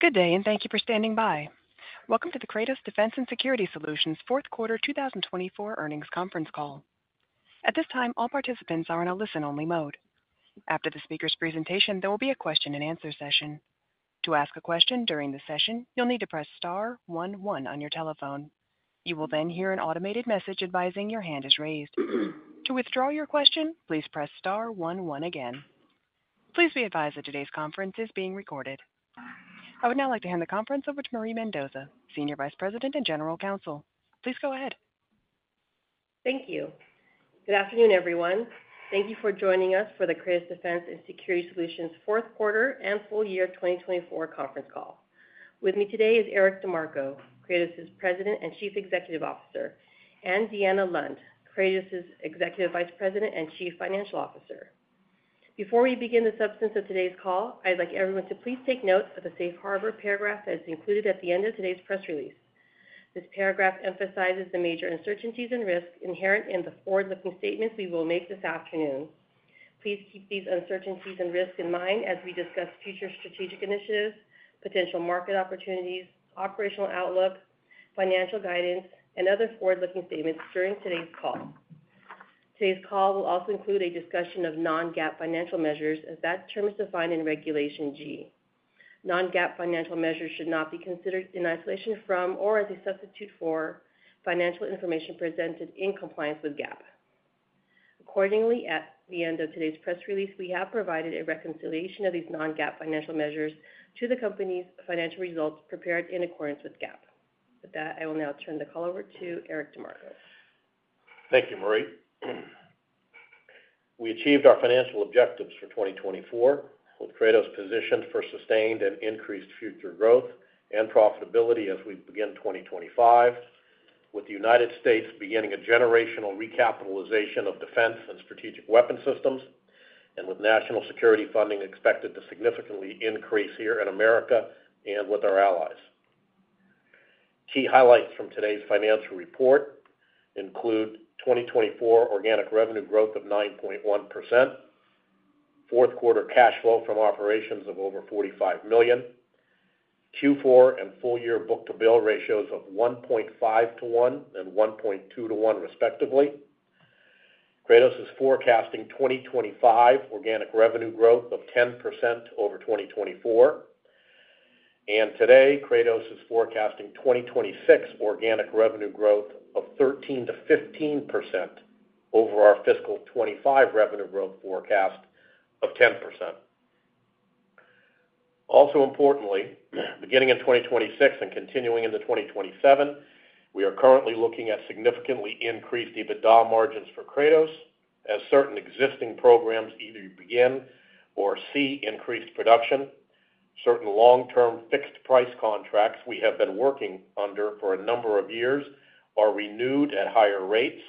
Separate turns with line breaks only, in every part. Good day, and thank you for standing by. Welcome to the Kratos Defense & Security Solutions Fourth Quarter 2024 earnings conference call. At this time, all participants are in a listen-only mode. After the speaker's presentation, there will be a question-and-answer session. To ask a question during the session, you'll need to press star one one on your telephone. You will then hear an automated message advising your hand is raised. To withdraw your question, please press star one one again. Please be advised that today's conference is being recorded. I would now like to hand the conference over to Marie Mendoza, Senior Vice President and General Counsel. Please go ahead.
Thank you. Good afternoon, everyone. Thank you for joining us for the Kratos Defense & Security Solutions Fourth Quarter and Full Year 2024 conference call. With me today is Eric DeMarco, Kratos' President and Chief Executive Officer, and Deanna Lund, Kratos' Executive Vice President and Chief Financial Officer. Before we begin the substance of today's call, I'd like everyone to please take note of the safe harbor paragraph that is included at the end of today's press release. This paragraph emphasizes the major uncertainties and risks inherent in the forward-looking statements we will make this afternoon. Please keep these uncertainties and risks in mind as we discuss future strategic initiatives, potential market opportunities, operational outlook, financial guidance, and other forward-looking statements during today's call. Today's call will also include a discussion of non-GAAP financial measures as that term is defined in Regulation G. Non-GAAP financial measures should not be considered in isolation from or as a substitute for financial information presented in compliance with GAAP. Accordingly, at the end of today's press release, we have provided a reconciliation of these non-GAAP financial measures to the company's financial results prepared in accordance with GAAP. With that, I will now turn the call over to Eric DeMarco.
Thank you, Marie. We achieved our financial objectives for 2024 with Kratos positioned for sustained and increased future growth and profitability as we begin 2025, with the United States beginning a generational recapitalization of defense and strategic weapons systems, and with national security funding expected to significantly increase here in America and with our allies. Key highlights from today's financial report include 2024 organic revenue growth of 9.1%, fourth-quarter cash flow from operations of over $45 million, Q4 and full-year book-to-bill ratios of 1.5 to 1 and 1.2 to 1, respectively. Kratos is forecasting 2025 organic revenue growth of 10% over 2024, and today, Kratos is forecasting 2026 organic revenue growth of 13-15% over our fiscal 2025 revenue growth forecast of 10%. Also importantly, beginning in 2026 and continuing into 2027, we are currently looking at significantly increased EBITDA margins for Kratos as certain existing programs either begin or see increased production. Certain long-term fixed-price contracts we have been working under for a number of years are renewed at higher rates,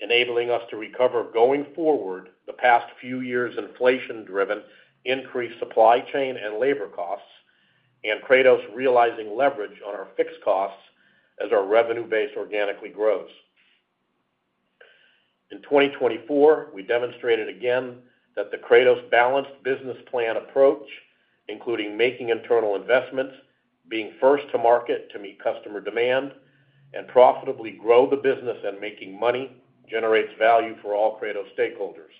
enabling us to recover going forward the past few years' inflation-driven increased supply chain and labor costs, and Kratos realizing leverage on our fixed costs as our revenue base organically grows. In 2024, we demonstrated again that the Kratos balanced business plan approach, including making internal investments, being first to market to meet customer demand, and profitably grow the business and making money, generates value for all Kratos stakeholders.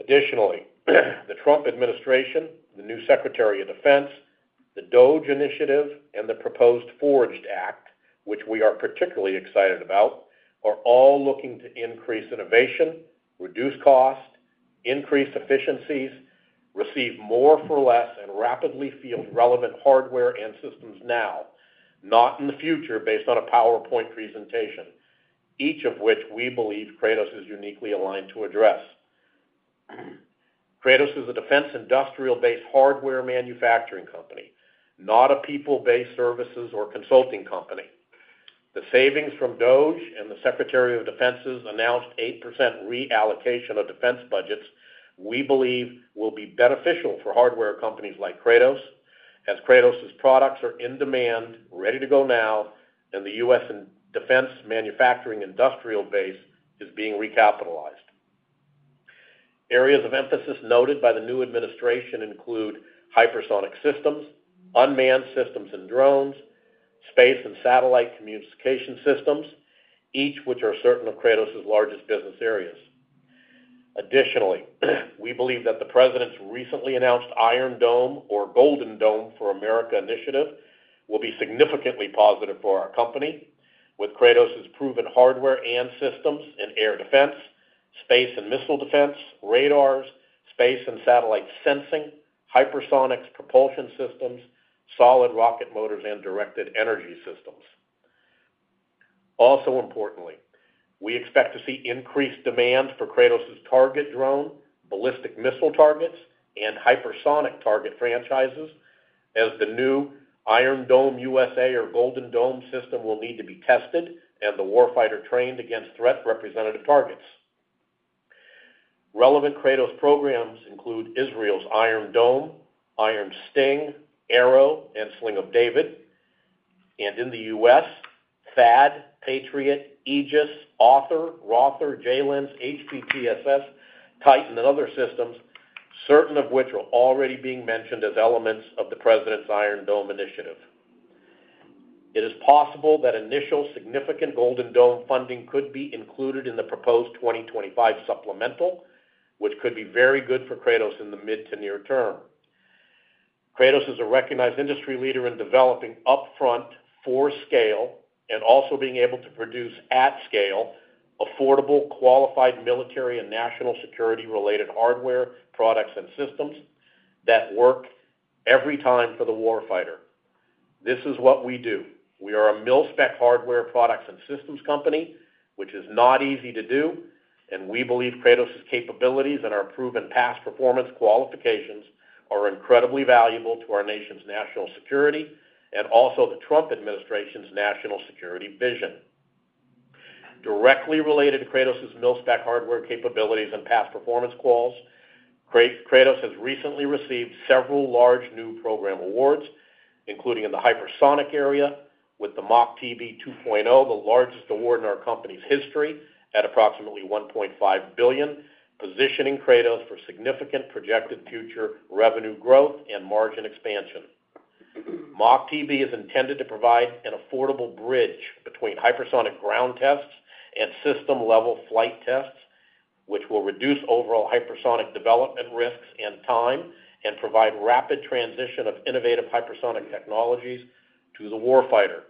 Additionally, the Trump administration, the new Secretary of Defense, the DOGE Initiative, and the proposed FORGE Act, which we are particularly excited about, are all looking to increase innovation, reduce cost, increase efficiencies, receive more for less, and rapidly field relevant hardware and systems now, not in the future based on a PowerPoint presentation, each of which we believe Kratos is uniquely aligned to address. Kratos is a defense industrial-based hardware manufacturing company, not a people-based services or consulting company. The savings from DOGE and the Secretary of Defense's announced 8% reallocation of defense budgets we believe will be beneficial for hardware companies like Kratos, as Kratos's products are in demand, ready to go now, and the U.S. defense manufacturing industrial base is being recapitalized. Areas of emphasis noted by the new administration include hypersonic systems, unmanned systems and drones, space and satellite communication systems, each which are certain of Kratos's largest business areas. Additionally, we believe that the President's recently announced Iron Dome or Golden Dome for America initiative will be significantly positive for our company, with Kratos's proven hardware and systems in air defense, space and missile defense, radars, space and satellite sensing, hypersonics propulsion systems, solid rocket motors, and directed energy systems. Also importantly, we expect to see increased demand for Kratos's target drone, ballistic missile targets, and hypersonic target franchises as the new Iron Dome USA or Golden Dome system will need to be tested and the warfighter trained against threat representative targets. Relevant Kratos programs include Israel's Iron Dome, Iron Sting, Arrow, and David's Sling, and in the U.S., THAAD, Patriot, Aegis, OTHR, ROTHR, JLENS, HBTSS, Titan, and other systems, certain of which are already being mentioned as elements of the President's Iron Dome initiative. It is possible that initial significant Golden Dome funding could be included in the proposed 2025 supplemental, which could be very good for Kratos in the mid to near term. Kratos is a recognized industry leader in developing upfront for scale and also being able to produce at scale affordable, qualified military and national security-related hardware, products, and systems that work every time for the warfighter. This is what we do. We are a mil-spec hardware products and systems company, which is not easy to do, and we believe Kratos's capabilities and our proven past performance qualifications are incredibly valuable to our nation's national security and also the Trump administration's national security vision. Directly related to Kratos's mil-spec hardware capabilities and past performance quals, Kratos has recently received several large new program awards, including in the hypersonic area with the MACH-TB 2.0, the largest award in our company's history at approximately $1.5 billion, positioning Kratos for significant projected future revenue growth and margin expansion. MACH-TB is intended to provide an affordable bridge between hypersonic ground tests and system-level flight tests, which will reduce overall hypersonic development risks and time and provide rapid transition of innovative hypersonic technologies to the warfighter.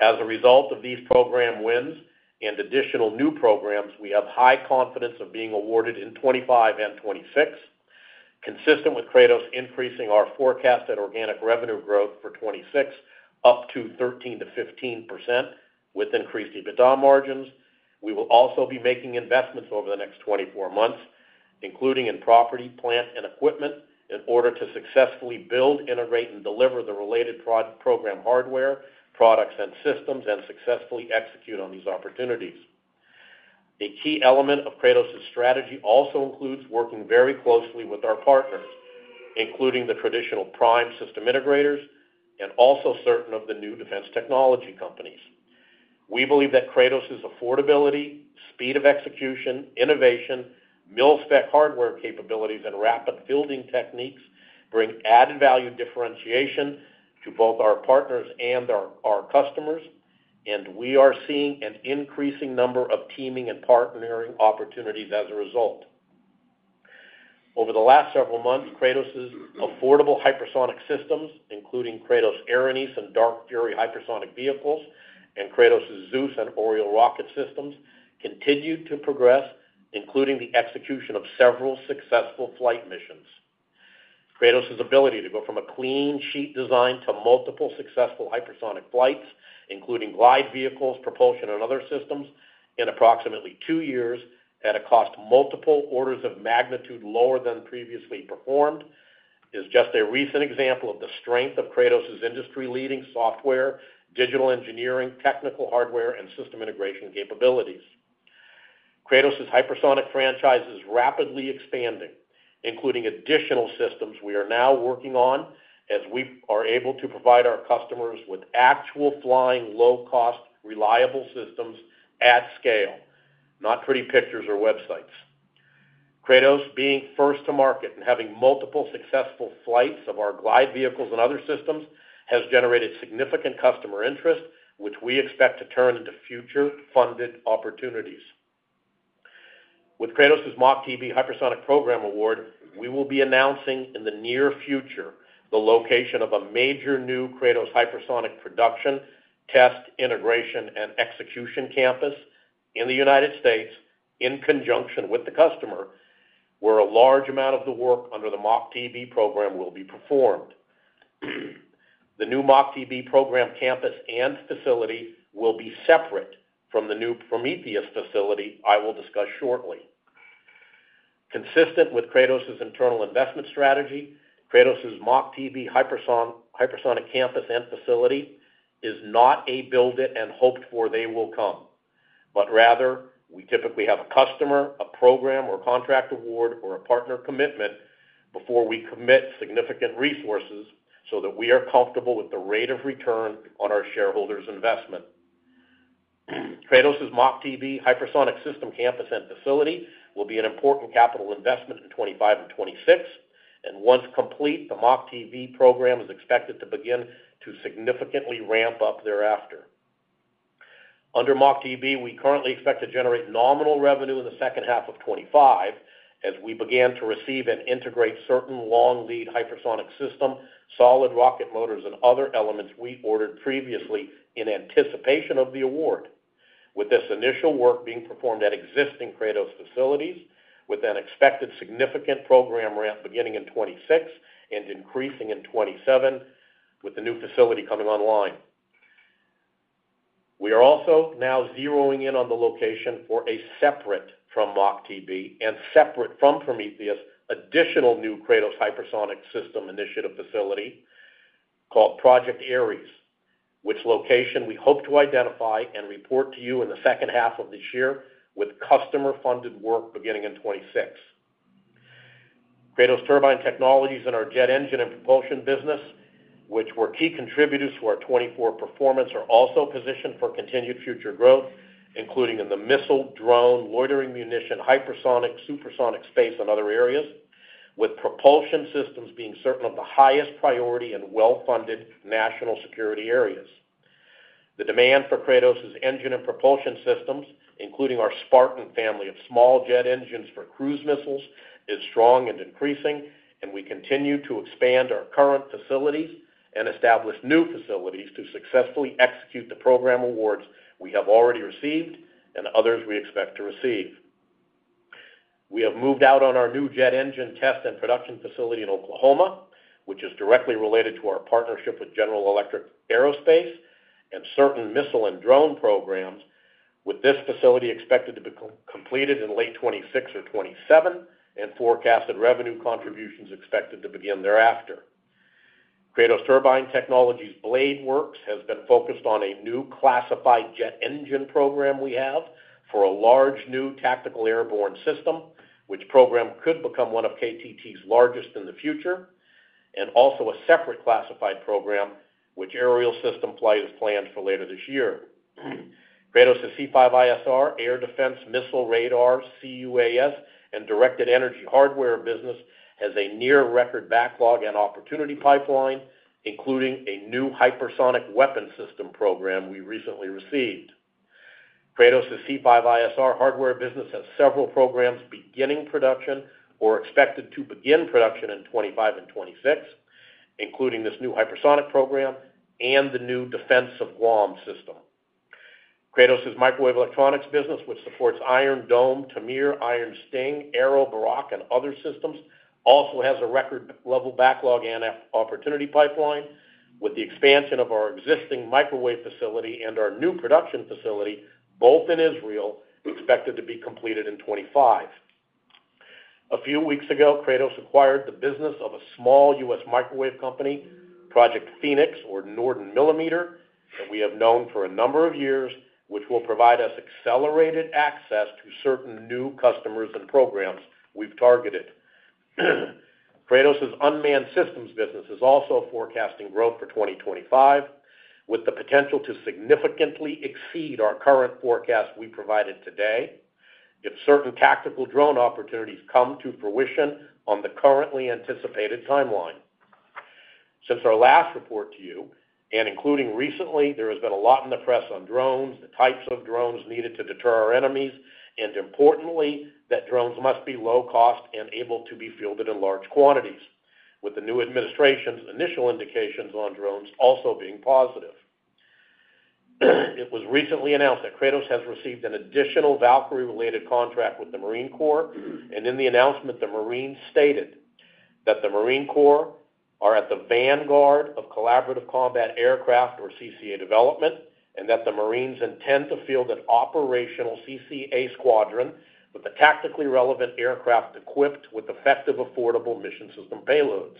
As a result of these program wins and additional new programs, we have high confidence of being awarded in 2025 and 2026, consistent with Kratos increasing our forecasted organic revenue growth for 2026 up to 13%-15% with increased EBITDA margins. We will also be making investments over the next 24 months, including in property, plant, and equipment, in order to successfully build, integrate, and deliver the related program hardware, products, and systems, and successfully execute on these opportunities. A key element of Kratos's strategy also includes working very closely with our partners, including the traditional prime system integrators and also certain of the new defense technology companies. We believe that Kratos's affordability, speed of execution, innovation, mil-spec hardware capabilities, and rapid fielding techniques bring added value differentiation to both our partners and our customers, and we are seeing an increasing number of teaming and partnering opportunities as a result. Over the last several months, Kratos's affordable hypersonic systems, including Kratos Erinys and Dark Fury hypersonic vehicles, and Kratos's Zeus and Oriole rocket systems, continued to progress, including the execution of several successful flight missions. Kratos's ability to go from a clean sheet design to multiple successful hypersonic flights, including glide vehicles, propulsion, and other systems in approximately two years at a cost multiple orders of magnitude lower than previously performed is just a recent example of the strength of Kratos's industry-leading software, digital engineering, technical hardware, and system integration capabilities. Kratos's hypersonic franchise is rapidly expanding, including additional systems we are now working on as we are able to provide our customers with actual flying, low-cost, reliable systems at scale, not pretty pictures or websites. Kratos, being first to market and having multiple successful flights of our glide vehicles and other systems, has generated significant customer interest, which we expect to turn into future funded opportunities. With Kratos's MACH-TB hypersonic program award, we will be announcing in the near future the location of a major new Kratos hypersonic production, test, integration, and execution campus in the United States in conjunction with the customer, where a large amount of the work under the MACH-TB program will be performed. The new MACH-TB program campus and facility will be separate from the new Prometheus facility I will discuss shortly. Consistent with Kratos's internal investment strategy, Kratos's MACH-TB hypersonic campus and facility is not a build-it-and-hope-for-they-will-come, but rather we typically have a customer, a program, or contract award, or a partner commitment before we commit significant resources so that we are comfortable with the rate of return on our shareholders' investment. Kratos's MACH-TB hypersonic system campus and facility will be an important capital investment in 2025 and 2026, and once complete, the MACH-TB program is expected to begin to significantly ramp up thereafter. Under MACH-TB, we currently expect to generate nominal revenue in the second half of 2025 as we begin to receive and integrate certain long-lead hypersonic systems, solid rocket motors, and other elements we ordered previously in anticipation of the award, with this initial work being performed at existing Kratos facilities, with an expected significant program ramp beginning in 2026 and increasing in 2027 with the new facility coming online. We are also now zeroing in on the location for a separate from MACH-TB and separate from Prometheus additional new Kratos hypersonic system initiative facility called Project Ares, which location we hope to identify and report to you in the second half of this year with customer-funded work beginning in 2026. Kratos Turbine Technologies and our jet engine and propulsion business, which were key contributors to our 2024 performance, are also positioned for continued future growth, including in the missile, drone, loitering munition, hypersonic, supersonic space, and other areas, with propulsion systems being certain of the highest priority and well-funded national security areas. The demand for Kratos's engine and propulsion systems, including our Spartan family of small jet engines for cruise missiles, is strong and increasing, and we continue to expand our current facilities and establish new facilities to successfully execute the program awards we have already received and others we expect to receive. We have moved out on our new jet engine test and production facility in Oklahoma, which is directly related to our partnership with General Electric Aerospace and certain missile and drone programs, with this facility expected to be completed in late 2026 or 2027 and forecasted revenue contributions expected to begin thereafter. Kratos Turbine Technologies BladeWorks has been focused on a new classified jet engine program we have for a large new tactical airborne system, which program could become one of KTT's largest in the future, and also a separate classified program, which aerial system flight is planned for later this year. Kratos's C5ISR, Air Defense Missile Radar, CUAS, and Directed Energy hardware business has a near-record backlog and opportunity pipeline, including a new hypersonic weapon system program we recently received. Kratos's C5ISR hardware business has several programs beginning production or expected to begin production in 2025 and 2026, including this new hypersonic program and the new Defense of Guam system. Kratos's microwave electronics business, which supports Iron Dome, Tamir, Iron Sting, Arrow, Barak, and other systems, also has a record-level backlog and opportunity pipeline, with the expansion of our existing microwave facility and our new production facility, both in Israel, expected to be completed in 2025. A few weeks ago, Kratos acquired the business of a small U.S. microwave company, Project Phoenix or Norden Millimeter, that we have known for a number of years, which will provide us accelerated access to certain new customers and programs we've targeted. Kratos's unmanned systems business is also forecasting growth for 2025, with the potential to significantly exceed our current forecast we provided today if certain tactical drone opportunities come to fruition on the currently anticipated timeline. Since our last report to you, and including recently, there has been a lot in the press on drones, the types of drones needed to deter our enemies, and importantly, that drones must be low-cost and able to be fielded in large quantities, with the new administration's initial indications on drones also being positive. It was recently announced that Kratos has received an additional Valkyrie-related contract with the Marine Corps, and in the announcement, the Marines stated that the Marine Corps are at the vanguard of collaborative combat aircraft or CCA development, and that the Marines intend to field an operational CCA squadron with a tactically relevant aircraft equipped with effective, affordable mission system payloads.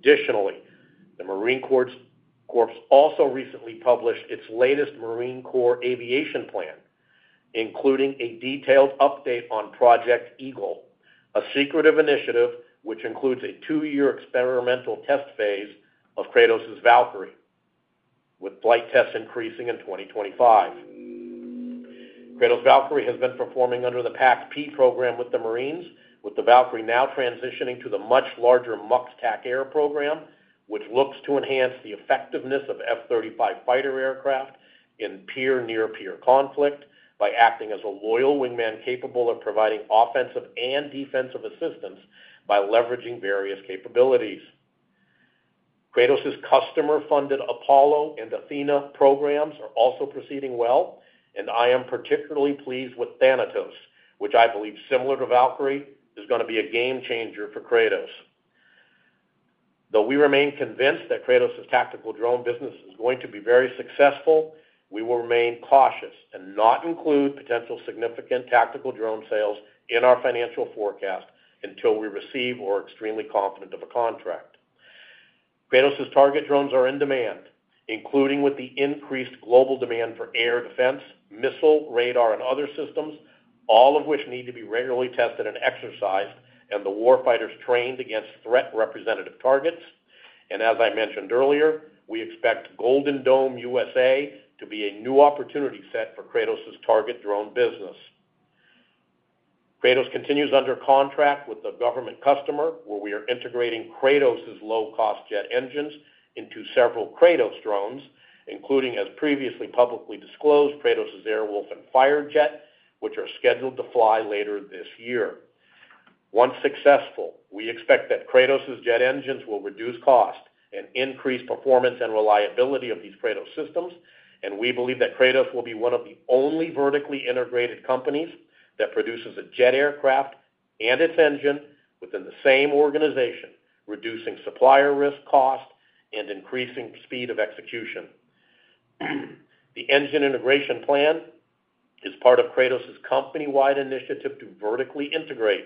Additionally, the Marine Corps also recently published its latest Marine Corps aviation plan, including a detailed update on Project Eagle, a secretive initiative which includes a two-year experimental test phase of Kratos's Valkyrie, with flight tests increasing in 2025. Kratos Valkyrie has been performing under the PAACK-P program with the Marines, with the Valkyrie now transitioning to the much larger MUX TACAIR program, which looks to enhance the effectiveness of F-35 fighter aircraft in peer-near-peer conflict by acting as a loyal wingman capable of providing offensive and defensive assistance by leveraging various capabilities. Kratos's customer-funded Apollo and Athena programs are also proceeding well, and I am particularly pleased with Thanatos, which I believe, similar to Valkyrie, is going to be a game changer for Kratos. Though we remain convinced that Kratos's tactical drone business is going to be very successful, we will remain cautious and not include potential significant tactical drone sales in our financial forecast until we receive or are extremely confident of a contract. Kratos's target drones are in demand, including with the increased global demand for air defense, missile, radar, and other systems, all of which need to be regularly tested and exercised and the warfighters trained against threat representative targets, and as I mentioned earlier, we expect Golden Dome USA to be a new opportunity set for Kratos's target drone business. Kratos continues under contract with the government customer, where we are integrating Kratos's low-cost jet engines into several Kratos drones, including, as previously publicly disclosed, Kratos's Airwolf and Firejet, which are scheduled to fly later this year. Once successful, we expect that Kratos's jet engines will reduce cost and increase performance and reliability of these Kratos systems, and we believe that Kratos will be one of the only vertically integrated companies that produces a jet aircraft and its engine within the same organization, reducing supplier risk, cost, and increasing speed of execution. The engine integration plan is part of Kratos's company-wide initiative to vertically integrate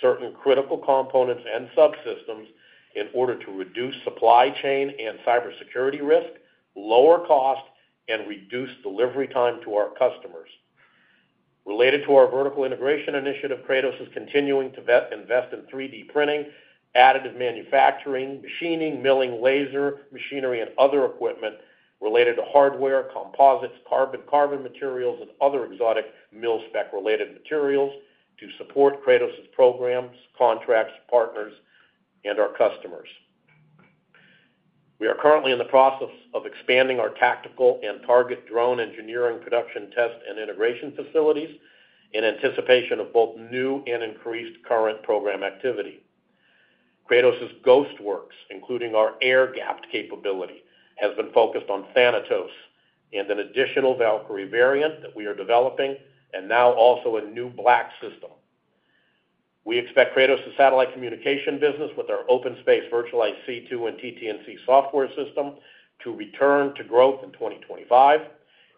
certain critical components and subsystems in order to reduce supply chain and cybersecurity risk, lower cost, and reduce delivery time to our customers. Related to our vertical integration initiative, Kratos is continuing to invest in 3D printing, additive manufacturing, machining, milling, laser machinery, and other equipment related to hardware, composites, carbon, carbon materials, and other exotic mill-spec related materials to support Kratos's programs, contracts, partners, and our customers. We are currently in the process of expanding our tactical and target drone engineering production test and integration facilities in anticipation of both new and increased current program activity. Kratos's Ghostworks, including our air-gapped capability, has been focused on Thanatos and an additional Valkyrie variant that we are developing and now also a new black system. We expect Kratos's satellite communication business with our OpenSpace Virtualized C2 and TT&C software system to return to growth in 2025,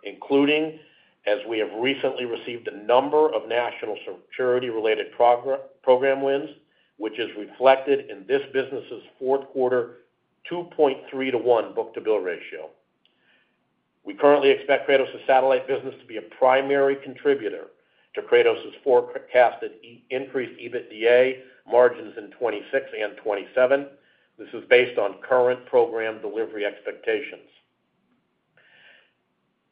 including as we have recently received a number of national security-related program wins, which is reflected in this business's fourth quarter 2.3-to-1 book-to-bill ratio. We currently expect Kratos's satellite business to be a primary contributor to Kratos's forecasted increased EBITDA margins in 2026 and 2027. This is based on current program delivery expectations.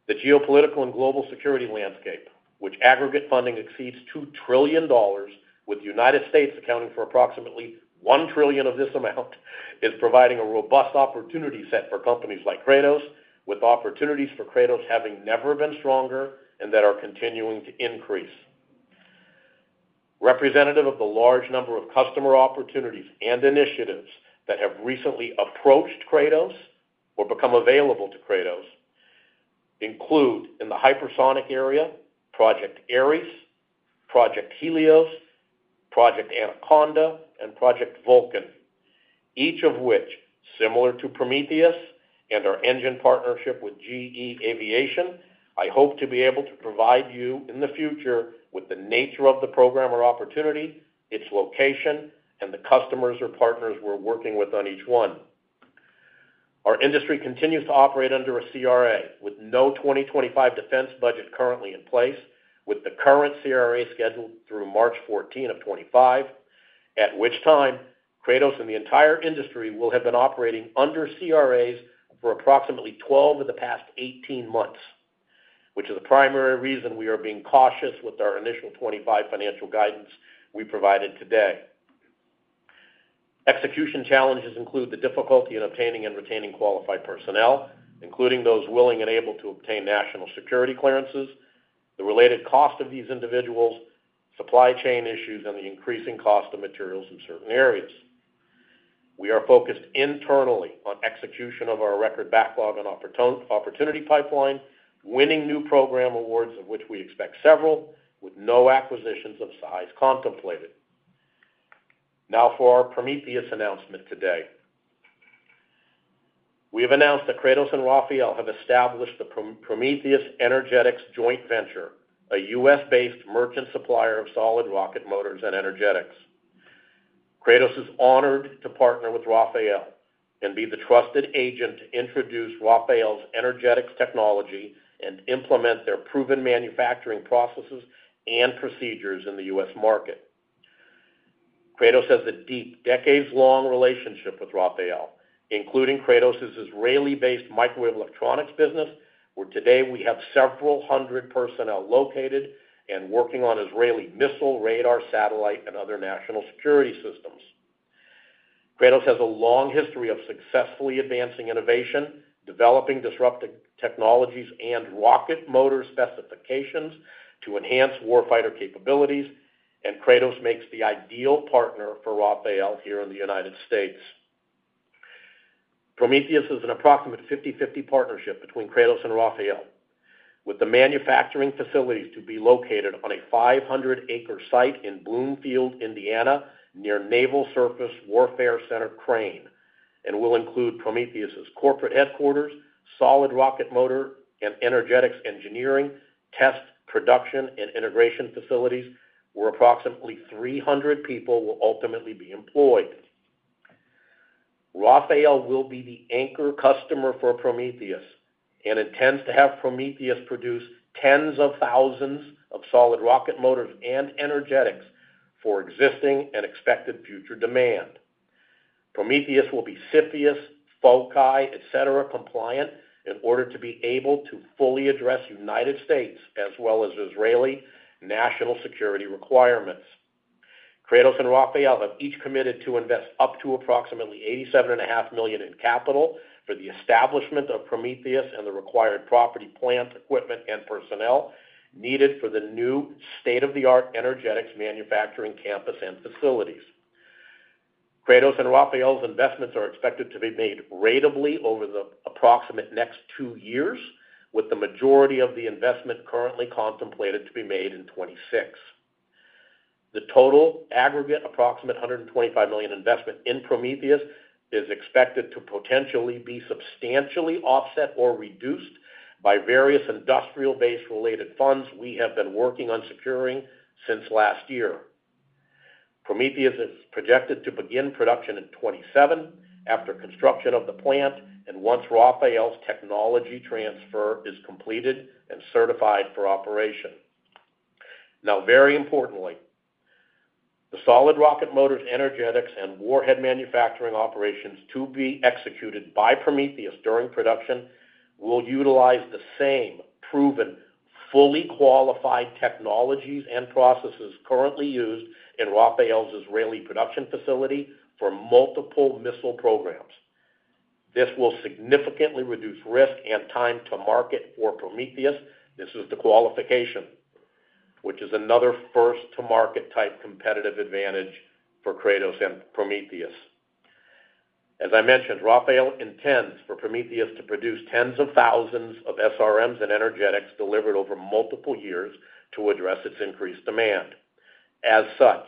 The geopolitical and global security landscape, which aggregate funding exceeds $2 trillion, with the United States accounting for approximately $1 trillion of this amount, is providing a robust opportunity set for companies like Kratos, with opportunities for Kratos having never been stronger and that are continuing to increase. Representative of the large number of customer opportunities and initiatives that have recently approached Kratos or become available to Kratos include in the hypersonic area Project Ares, Project Helios, Project Anaconda, and Project Vulcan, each of which, similar to Prometheus and our engine partnership with GE Aviation, I hope to be able to provide you in the future with the nature of the program or opportunity, its location, and the customers or partners we're working with on each one. Our industry continues to operate under a CRA with no 2025 defense budget currently in place, with the current CRA scheduled through March 14 of 2025, at which time Kratos and the entire industry will have been operating under CRAs for approximately 12 of the past 18 months, which is the primary reason we are being cautious with our initial 2025 financial guidance we provided today. Execution challenges include the difficulty in obtaining and retaining qualified personnel, including those willing and able to obtain national security clearances, the related cost of these individuals, supply chain issues, and the increasing cost of materials in certain areas. We are focused internally on execution of our record backlog and opportunity pipeline, winning new program awards of which we expect several, with no acquisitions of size contemplated. Now for our Prometheus announcement today. We have announced that Kratos and Rafael have established the Prometheus Energetics Joint Venture, a U.S.-based merchant supplier of solid rocket motors and energetics. Kratos is honored to partner with Rafael and be the trusted agent to introduce Rafael's energetics technology and implement their proven manufacturing processes and procedures in the U.S. market. Kratos has a deep, decades-long relationship with Rafael, including Kratos's Israeli-based microwave electronics business, where today we have several hundred personnel located and working on Israeli missile, radar, satellite, and other national security systems. Kratos has a long history of successfully advancing innovation, developing disruptive technologies and rocket motor specifications to enhance warfighter capabilities, and Kratos makes the ideal partner for Rafael here in the United States. Prometheus is an approximate 50/50 partnership between Kratos and Rafael, with the manufacturing facilities to be located on a 500-acre site in Bloomfield, Indiana, near Naval Surface Warfare Center Crane, and will include Prometheus's corporate headquarters, solid rocket motor, and energetics engineering, test production, and integration facilities, where approximately 300 people will ultimately be employed. Rafael will be the anchor customer for Prometheus and intends to have Prometheus produce tens of thousands of solid rocket motors and energetics for existing and expected future demand. Prometheus will be CFIUS, FOCI, etc. compliant in order to be able to fully address United States as well as Israeli national security requirements. Kratos and Rafael have each committed to invest up to approximately $87.5 million in capital for the establishment of Prometheus and the required property, plant, equipment, and personnel needed for the new state-of-the-art energetics manufacturing campus and facilities. Kratos and Rafael's investments are expected to be made ratably over the approximate next two years, with the majority of the investment currently contemplated to be made in 2026. The total aggregate approximate $125 million investment in Prometheus is expected to potentially be substantially offset or reduced by various industrial-based related funds we have been working on securing since last year. Prometheus is projected to begin production in 2027 after construction of the plant and once Rafael's technology transfer is completed and certified for operation. Now, very importantly, the solid rocket motors, energetics, and warhead manufacturing operations to be executed by Prometheus during production will utilize the same proven, fully qualified technologies and processes currently used in Rafael's Israeli production facility for multiple missile programs. This will significantly reduce risk and time to market for Prometheus. This is the qualification, which is another first-to-market type competitive advantage for Kratos and Prometheus. As I mentioned, Rafael intends for Prometheus to produce tens of thousands of SRMs and energetics delivered over multiple years to address its increased demand. As such,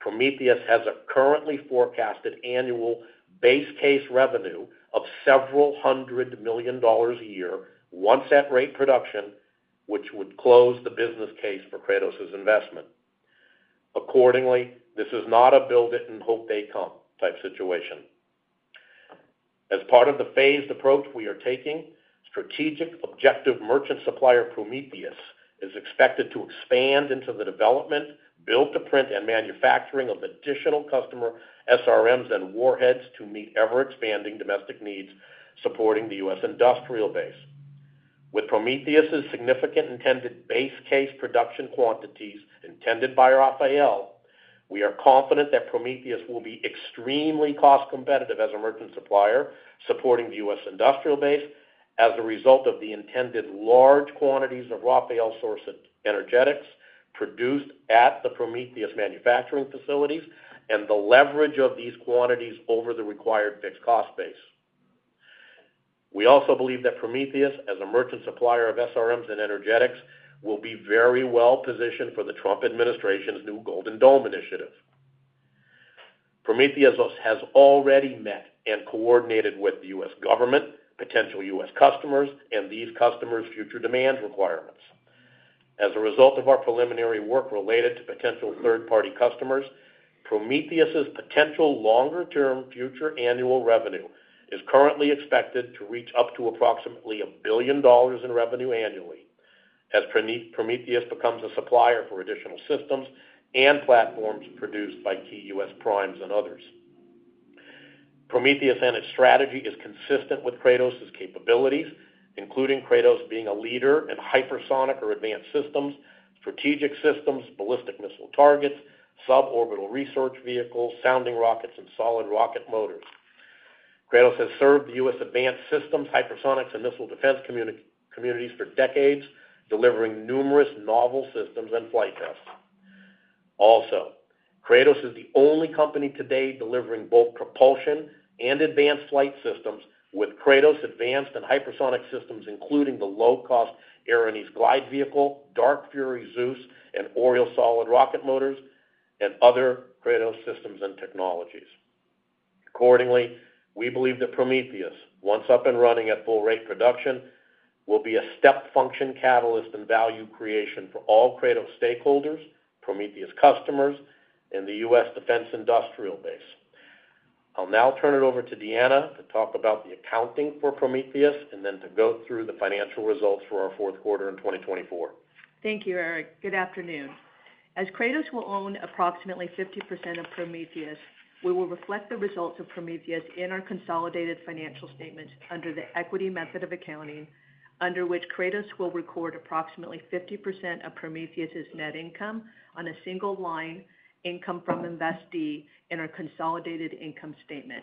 Prometheus has a currently forecasted annual base case revenue of $ several hundred million a year once at rate production, which would close the business case for Kratos's investment. Accordingly, this is not a build-it-and-hope-they-come type situation. As part of the phased approach we are taking, strategic objective merchant supplier Prometheus is expected to expand into the development, build-to-print, and manufacturing of additional customer SRMs and warheads to meet ever-expanding domestic needs supporting the U.S. industrial base. With Prometheus's significant intended base case production quantities intended by Rafael, we are confident that Prometheus will be extremely cost competitive as a merchant supplier supporting the U.S. Industrial base as a result of the intended large quantities of Rafael-sourced energetics produced at the Prometheus manufacturing facilities and the leverage of these quantities over the required fixed cost base. We also believe that Prometheus, as a merchant supplier of SRMs and energetics, will be very well positioned for the Trump administration's new Golden Dome initiative. Prometheus has already met and coordinated with the U.S. government, potential U.S. customers, and these customers' future demand requirements. As a result of our preliminary work related to potential third-party customers, Prometheus's potential longer-term future annual revenue is currently expected to reach up to approximately $1 billion in revenue annually as Prometheus becomes a supplier for additional systems and platforms produced by key U.S. primes and others. Prometheus and its strategy is consistent with Kratos's capabilities, including Kratos being a leader in hypersonic or advanced systems, strategic systems, ballistic missile targets, suborbital research vehicles, sounding rockets, and solid rocket motors. Kratos has served the U.S. advanced systems, hypersonics, and missile defense communities for decades, delivering numerous novel systems and flight tests. Also, Kratos is the only company today delivering both propulsion and advanced flight systems with Kratos advanced and hypersonic systems, including the low-cost Erinys glide vehicle, Dark Fury Zeus, and Oriole solid rocket motors, and other Kratos systems and technologies. Accordingly, we believe that Prometheus, once up and running at full rate production, will be a step function catalyst and value creation for all Kratos stakeholders, Prometheus customers, and the U.S. defense industrial base. I'll now turn it over to Deanna to talk about the accounting for Prometheus and then to go through the financial results for our fourth quarter in 2024.
Thank you, Eric. Good afternoon. As Kratos will own approximately 50% of Prometheus, we will reflect the results of Prometheus in our consolidated financial statements under the equity method of accounting, under which Kratos will record approximately 50% of Prometheus's net income on a single line income from investee in our consolidated income statement.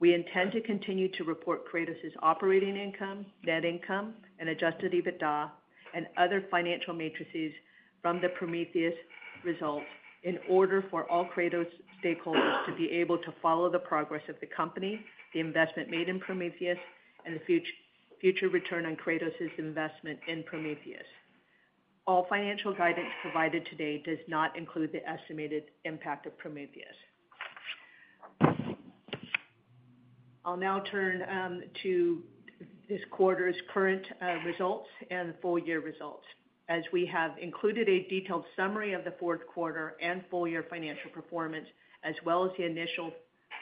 We intend to continue to report Kratos's operating income, net income, and adjusted EBITDA, and other financial metrics from the Prometheus results in order for all Kratos stakeholders to be able to follow the progress of the company, the investment made in Prometheus, and the future return on Kratos's investment in Prometheus. All financial guidance provided today does not include the estimated impact of Prometheus. I'll now turn to this quarter's current results and full-year results. As we have included a detailed summary of the fourth quarter and full-year financial performance, as well as the initial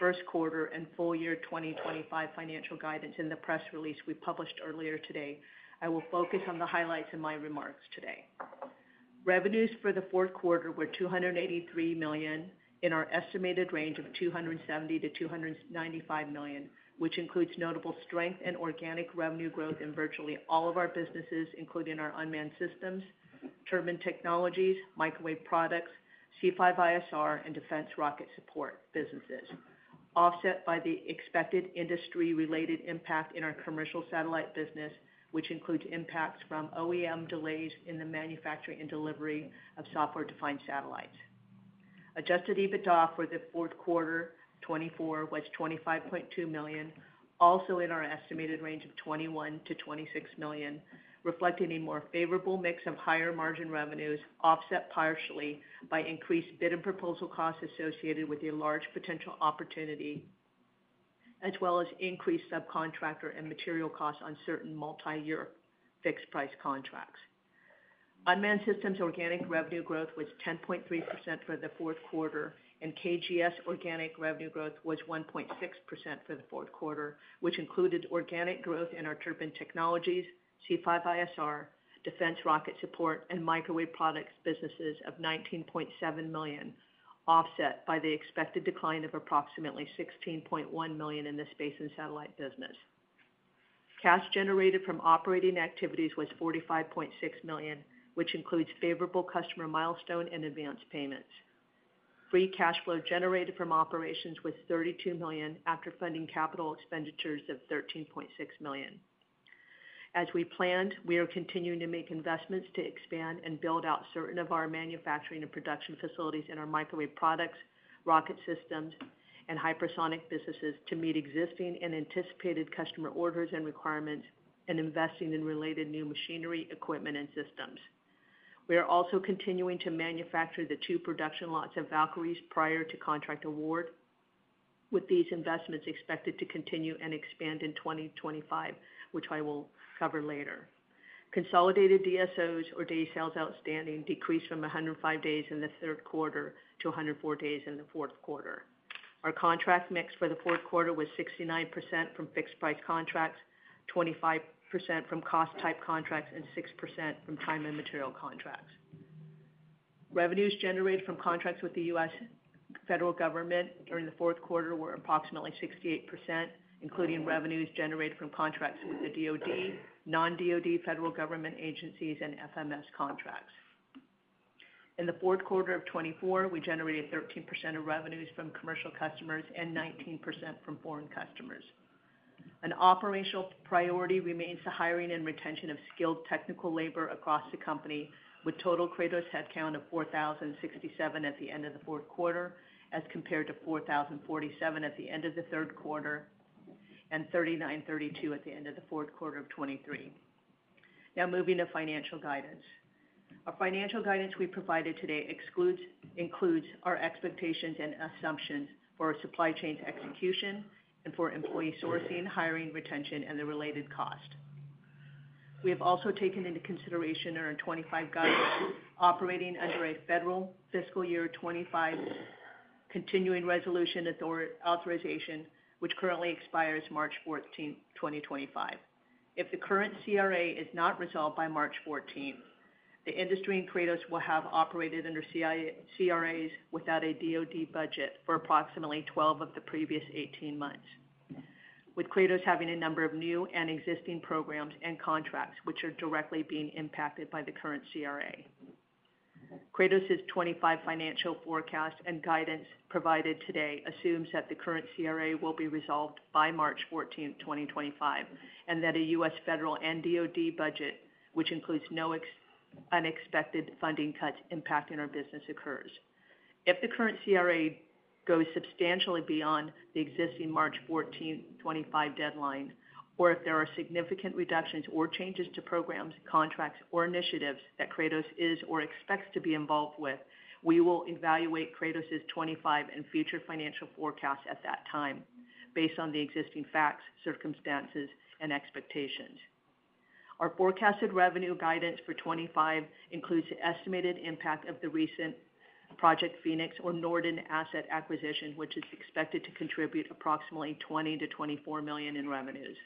first quarter and full-year 2025 financial guidance in the press release we published earlier today, I will focus on the highlights in my remarks today. Revenues for the fourth quarter were $283 million in our estimated range of $270-$295 million, which includes notable strength and organic revenue growth in virtually all of our businesses, including our unmanned systems, turbine technologies, microwave products, C5ISR, and defense rocket support businesses, offset by the expected industry-related impact in our commercial satellite business, which includes impacts from OEM delays in the manufacturing and delivery of software-defined satellites. Adjusted EBITDA for the fourth quarter 2024 was $25.2 million, also in our estimated range of $21-$26 million, reflecting a more favorable mix of higher margin revenues offset partially by increased bid and proposal costs associated with a large potential opportunity, as well as increased subcontractor and material costs on certain multi-year fixed price contracts. Unmanned systems organic revenue growth was 10.3% for the fourth quarter, and KGS organic revenue growth was 1.6% for the fourth quarter, which included organic growth in our turbine technologies, C5ISR, defense rocket support, and microwave products businesses of $19.7 million, offset by the expected decline of approximately $16.1 million in the space and satellite business. Cash generated from operating activities was $45.6 million, which includes favorable customer milestone and advance payments. Free cash flow generated from operations was $32 million after funding capital expenditures of $13.6 million. As we planned, we are continuing to make investments to expand and build out certain of our manufacturing and production facilities in our microwave products, rocket systems, and hypersonic businesses to meet existing and anticipated customer orders and requirements and investing in related new machinery, equipment, and systems. We are also continuing to manufacture the two production lots of Valkyries prior to contract award, with these investments expected to continue and expand in 2025, which I will cover later. Consolidated DSOs, or day sales outstanding, decreased from 105 days in the third quarter to 104 days in the fourth quarter. Our contract mix for the fourth quarter was 69% from fixed price contracts, 25% from cost-type contracts, and 6% from time and material contracts. Revenues generated from contracts with the U.S. Federal government during the fourth quarter were approximately 68%, including revenues generated from contracts with the DoD, non-DoD federal government agencies, and FMS contracts. In the fourth quarter of 2024, we generated 13% of revenues from commercial customers and 19% from foreign customers. An operational priority remains the hiring and retention of skilled technical labor across the company, with total Kratos headcount of 4,067 at the end of the fourth quarter as compared to 4,047 at the end of the third quarter and 3,932 at the end of the fourth quarter of 2023. Now, moving to financial guidance. Our financial guidance we provided today includes our expectations and assumptions for our supply chain's execution and for employee sourcing, hiring, retention, and the related cost. We have also taken into consideration our 2025 guidance operating under a federal fiscal year 2025 continuing resolution authorization, which currently expires March 14, 2025. If the current CRA is not resolved by March 14, the industry and Kratos will have operated under CRAs without a DOD budget for approximately 12 of the previous 18 months, with Kratos having a number of new and existing programs and contracts which are directly being impacted by the current CRA. Kratos's 2025 financial forecast and guidance provided today assumes that the current CRA will be resolved by March 14, 2025, and that a U.S. federal and DOD budget, which includes no unexpected funding cuts impacting our business, occurs. If the current CRA goes substantially beyond the existing March 14, 2025 deadline, or if there are significant reductions or changes to programs, contracts, or initiatives that Kratos is or expects to be involved with, we will evaluate Kratos's 2025 and future financial forecasts at that time based on the existing facts, circumstances, and expectations. Our forecasted revenue guidance for 2025 includes the estimated impact of the recent Project Phoenix or Norden asset acquisition, which is expected to contribute approximately $20-$24 million in revenues.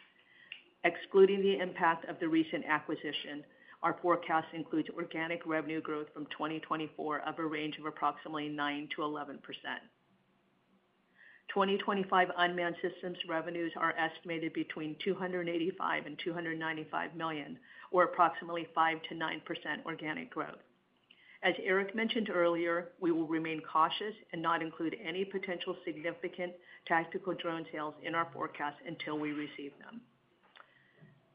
Excluding the impact of the recent acquisition, our forecast includes organic revenue growth from 2024 of a range of approximately 9%-11%. 2025 unmanned systems revenues are estimated between $285-$295 million, or approximately 5%-9% organic growth. As Eric mentioned earlier, we will remain cautious and not include any potential significant tactical drone sales in our forecast until we receive them.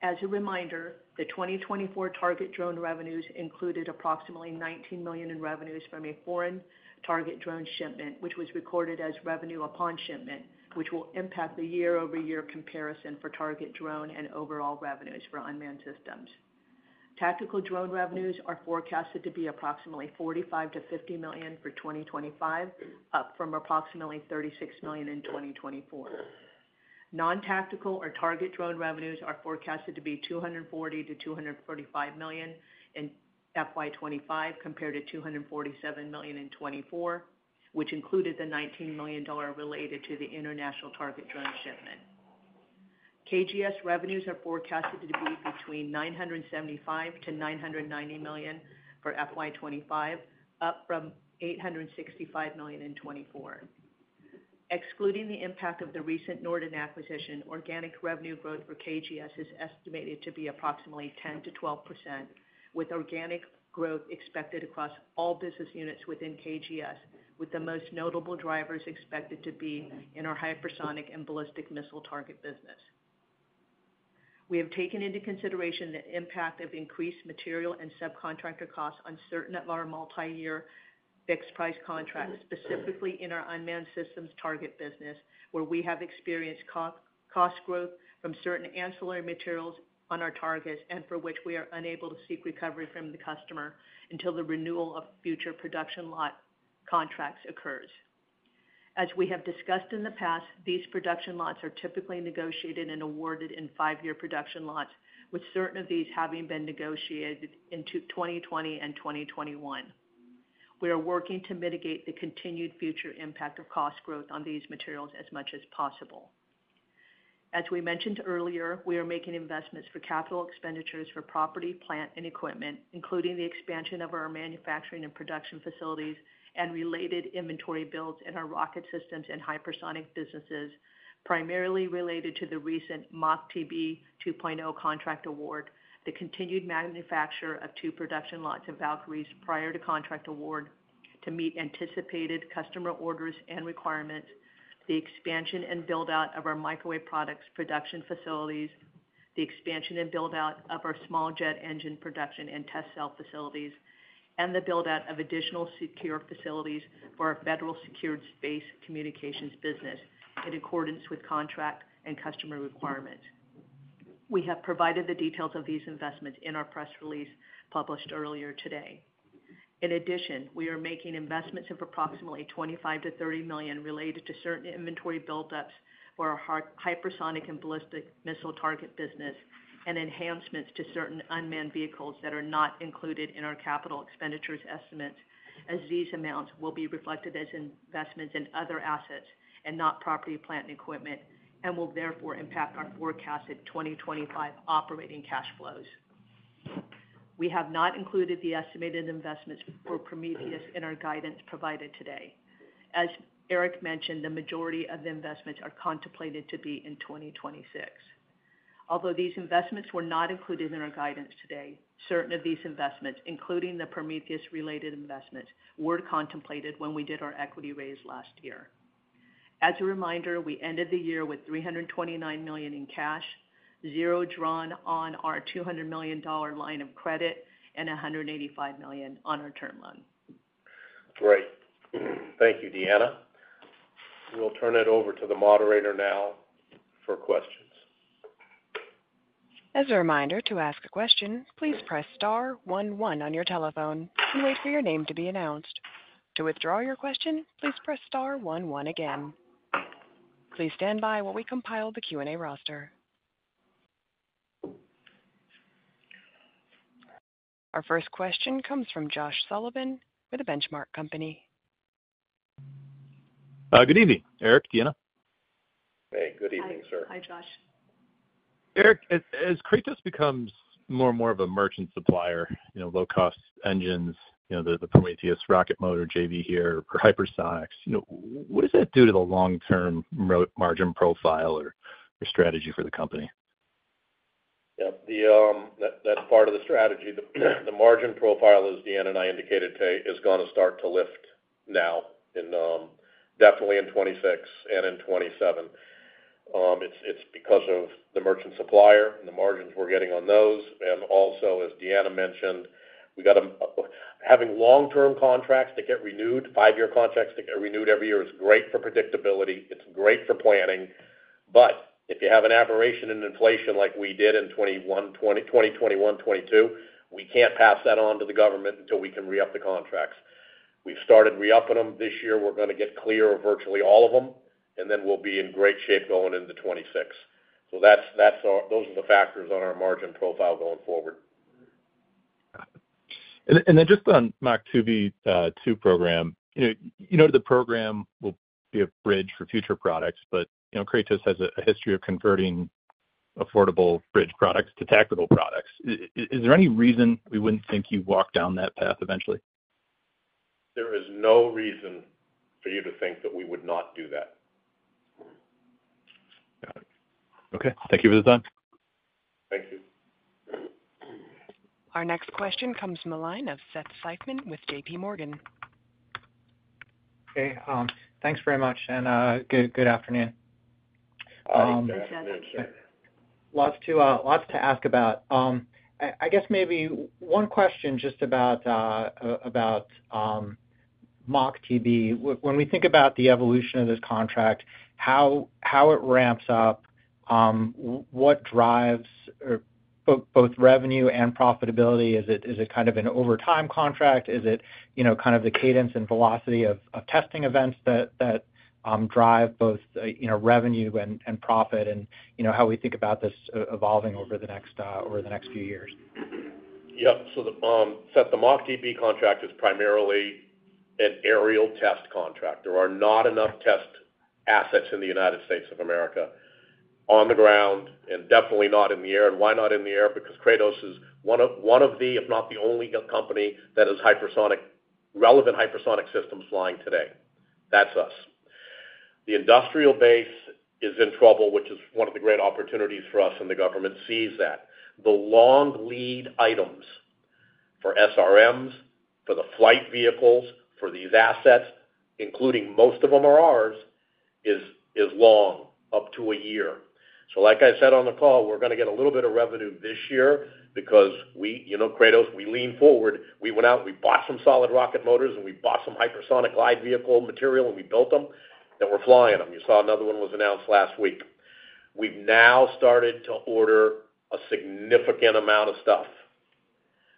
As a reminder, the 2024 target drone revenues included approximately $19 million in revenues from a foreign target drone shipment, which was recorded as revenue upon shipment, which will impact the year-over-year comparison for target drone and overall revenues for unmanned systems. Tactical drone revenues are forecasted to be approximately $45-$50 million for 2025, up from approximately $36 million in 2024. Non-tactical or target drone revenues are forecasted to be $240-$245 million in FY25 compared to $247 million in 2024, which included the $19 million related to the international target drone shipment. KGS revenues are forecasted to be between $975-$990 million for FY25, up from $865 million in 2024. Excluding the impact of the recent Norden acquisition, organic revenue growth for KGS is estimated to be approximately 10%-12%, with organic growth expected across all business units within KGS, with the most notable drivers expected to be in our hypersonic and ballistic missile target business. We have taken into consideration the impact of increased material and subcontractor costs on certain of our multi-year fixed price contracts, specifically in our unmanned systems target business, where we have experienced cost growth from certain ancillary materials on our targets and for which we are unable to seek recovery from the customer until the renewal of future production lot contracts occurs. As we have discussed in the past, these production lots are typically negotiated and awarded in five-year production lots, with certain of these having been negotiated in 2020 and 2021. We are working to mitigate the continued future impact of cost growth on these materials as much as possible. As we mentioned earlier, we are making investments for capital expenditures for property, plant, and equipment, including the expansion of our manufacturing and production facilities and related inventory builds in our rocket systems and hypersonic businesses, primarily related to the recent MACH-TB 2.0 contract award, the continued manufacture of two production lots of Valkyries prior to contract award to meet anticipated customer orders and requirements, the expansion and build-out of our microwave products production facilities, the expansion and build-out of our small jet engine production and test cell facilities, and the build-out of additional secure facilities for our federal secured space communications business in accordance with contract and customer requirements. We have provided the details of these investments in our press release published earlier today. In addition, we are making investments of approximately $25-$30 million related to certain inventory build-ups for our hypersonic and ballistic missile target business and enhancements to certain unmanned vehicles that are not included in our capital expenditures estimates, as these amounts will be reflected as investments in other assets and not property, plant, and equipment, and will therefore impact our forecasted 2025 operating cash flows. We have not included the estimated investments for Prometheus in our guidance provided today. As Eric mentioned, the majority of the investments are contemplated to be in 2026. Although these investments were not included in our guidance today, certain of these investments, including the Prometheus-related investments, were contemplated when we did our equity raise last year. As a reminder, we ended the year with $329 million in cash, zero drawn on our $200 million line of credit, and $185 million on our term loan.
Great. Thank you, Deanna. We'll turn it over to the moderator now for questions.
As a reminder to ask a question, please press star one one on your telephone and wait for your name to be announced. To withdraw your question, please press star one one again. Please stand by while we compile the Q&A roster. Our first question comes from Josh Sullivan with the Benchmark Company.
Good evening, Eric, Deanna. Hey, good evening, sir.
Hi, Josh.
Eric, as Kratos becomes more and more of a merchant supplier, low-cost engines, the Prometheus Rocket Motor, JV here, or Hypersonics, what does that do to the long-term margin profile or strategy for the company?
Yep, that's part of the strategy. The margin profile, as Deanna and I indicated today, is going to start to lift now, definitely in 2026 and in 2027. It's because of the merchant supplier and the margins we're getting on those. And also, as Deanna mentioned, we've got them having long-term contracts that get renewed, five-year contracts that get renewed every year is great for predictability. It's great for planning. But if you have an aberration in inflation like we did in 2021, 2022, we can't pass that on to the government until we can re-up the contracts. We've started re-upping them this year. We're going to get clear of virtually all of them, and then we'll be in great shape going into 2026. So those are the factors on our margin profile going forward. And then just on MACH-TB 2 program, you know the program will be a bridge for future products, but Kratos has a history of converting affordable bridge products to tactical products. Is there any reason we wouldn't think you walk down that path eventually? There is no reason for you to think that we would not do that.
Got it. Okay. Thank you for the time.
Thank you.
Our next question comes from the line of Seth Seifman with JP Morgan.
Hey, thanks very much, and good afternoon. Lots to ask about. I guess maybe one question just about MACH-TB. When we think about the evolution of this contract, how it ramps up, what drives both revenue and profitability? Is it kind of an over time contract? Is it kind of the cadence and velocity of testing events that drive both revenue and profit and how we think about this evolving over the next few years? Yep. So
Seth, the MACH-TB contract is primarily an aerial test contract. There are not enough test assets in the United States of America on the ground and definitely not in the air. And why not in the air? Because Kratos is one of the, if not the only company that has relevant hypersonic systems flying today. That's us. The industrial base is in trouble, which is one of the great opportunities for us, and the government sees that. The long lead items for SRMs, for the flight vehicles, for these assets, including most of them are ours, is long, up to a year. So, like I said on the call, we're going to get a little bit of revenue this year because Kratos, we lean forward. We went out, we bought some solid rocket motors, and we bought some hypersonic glide vehicle material, and we built them that we're flying them. You saw another one was announced last week. We've now started to order a significant amount of stuff,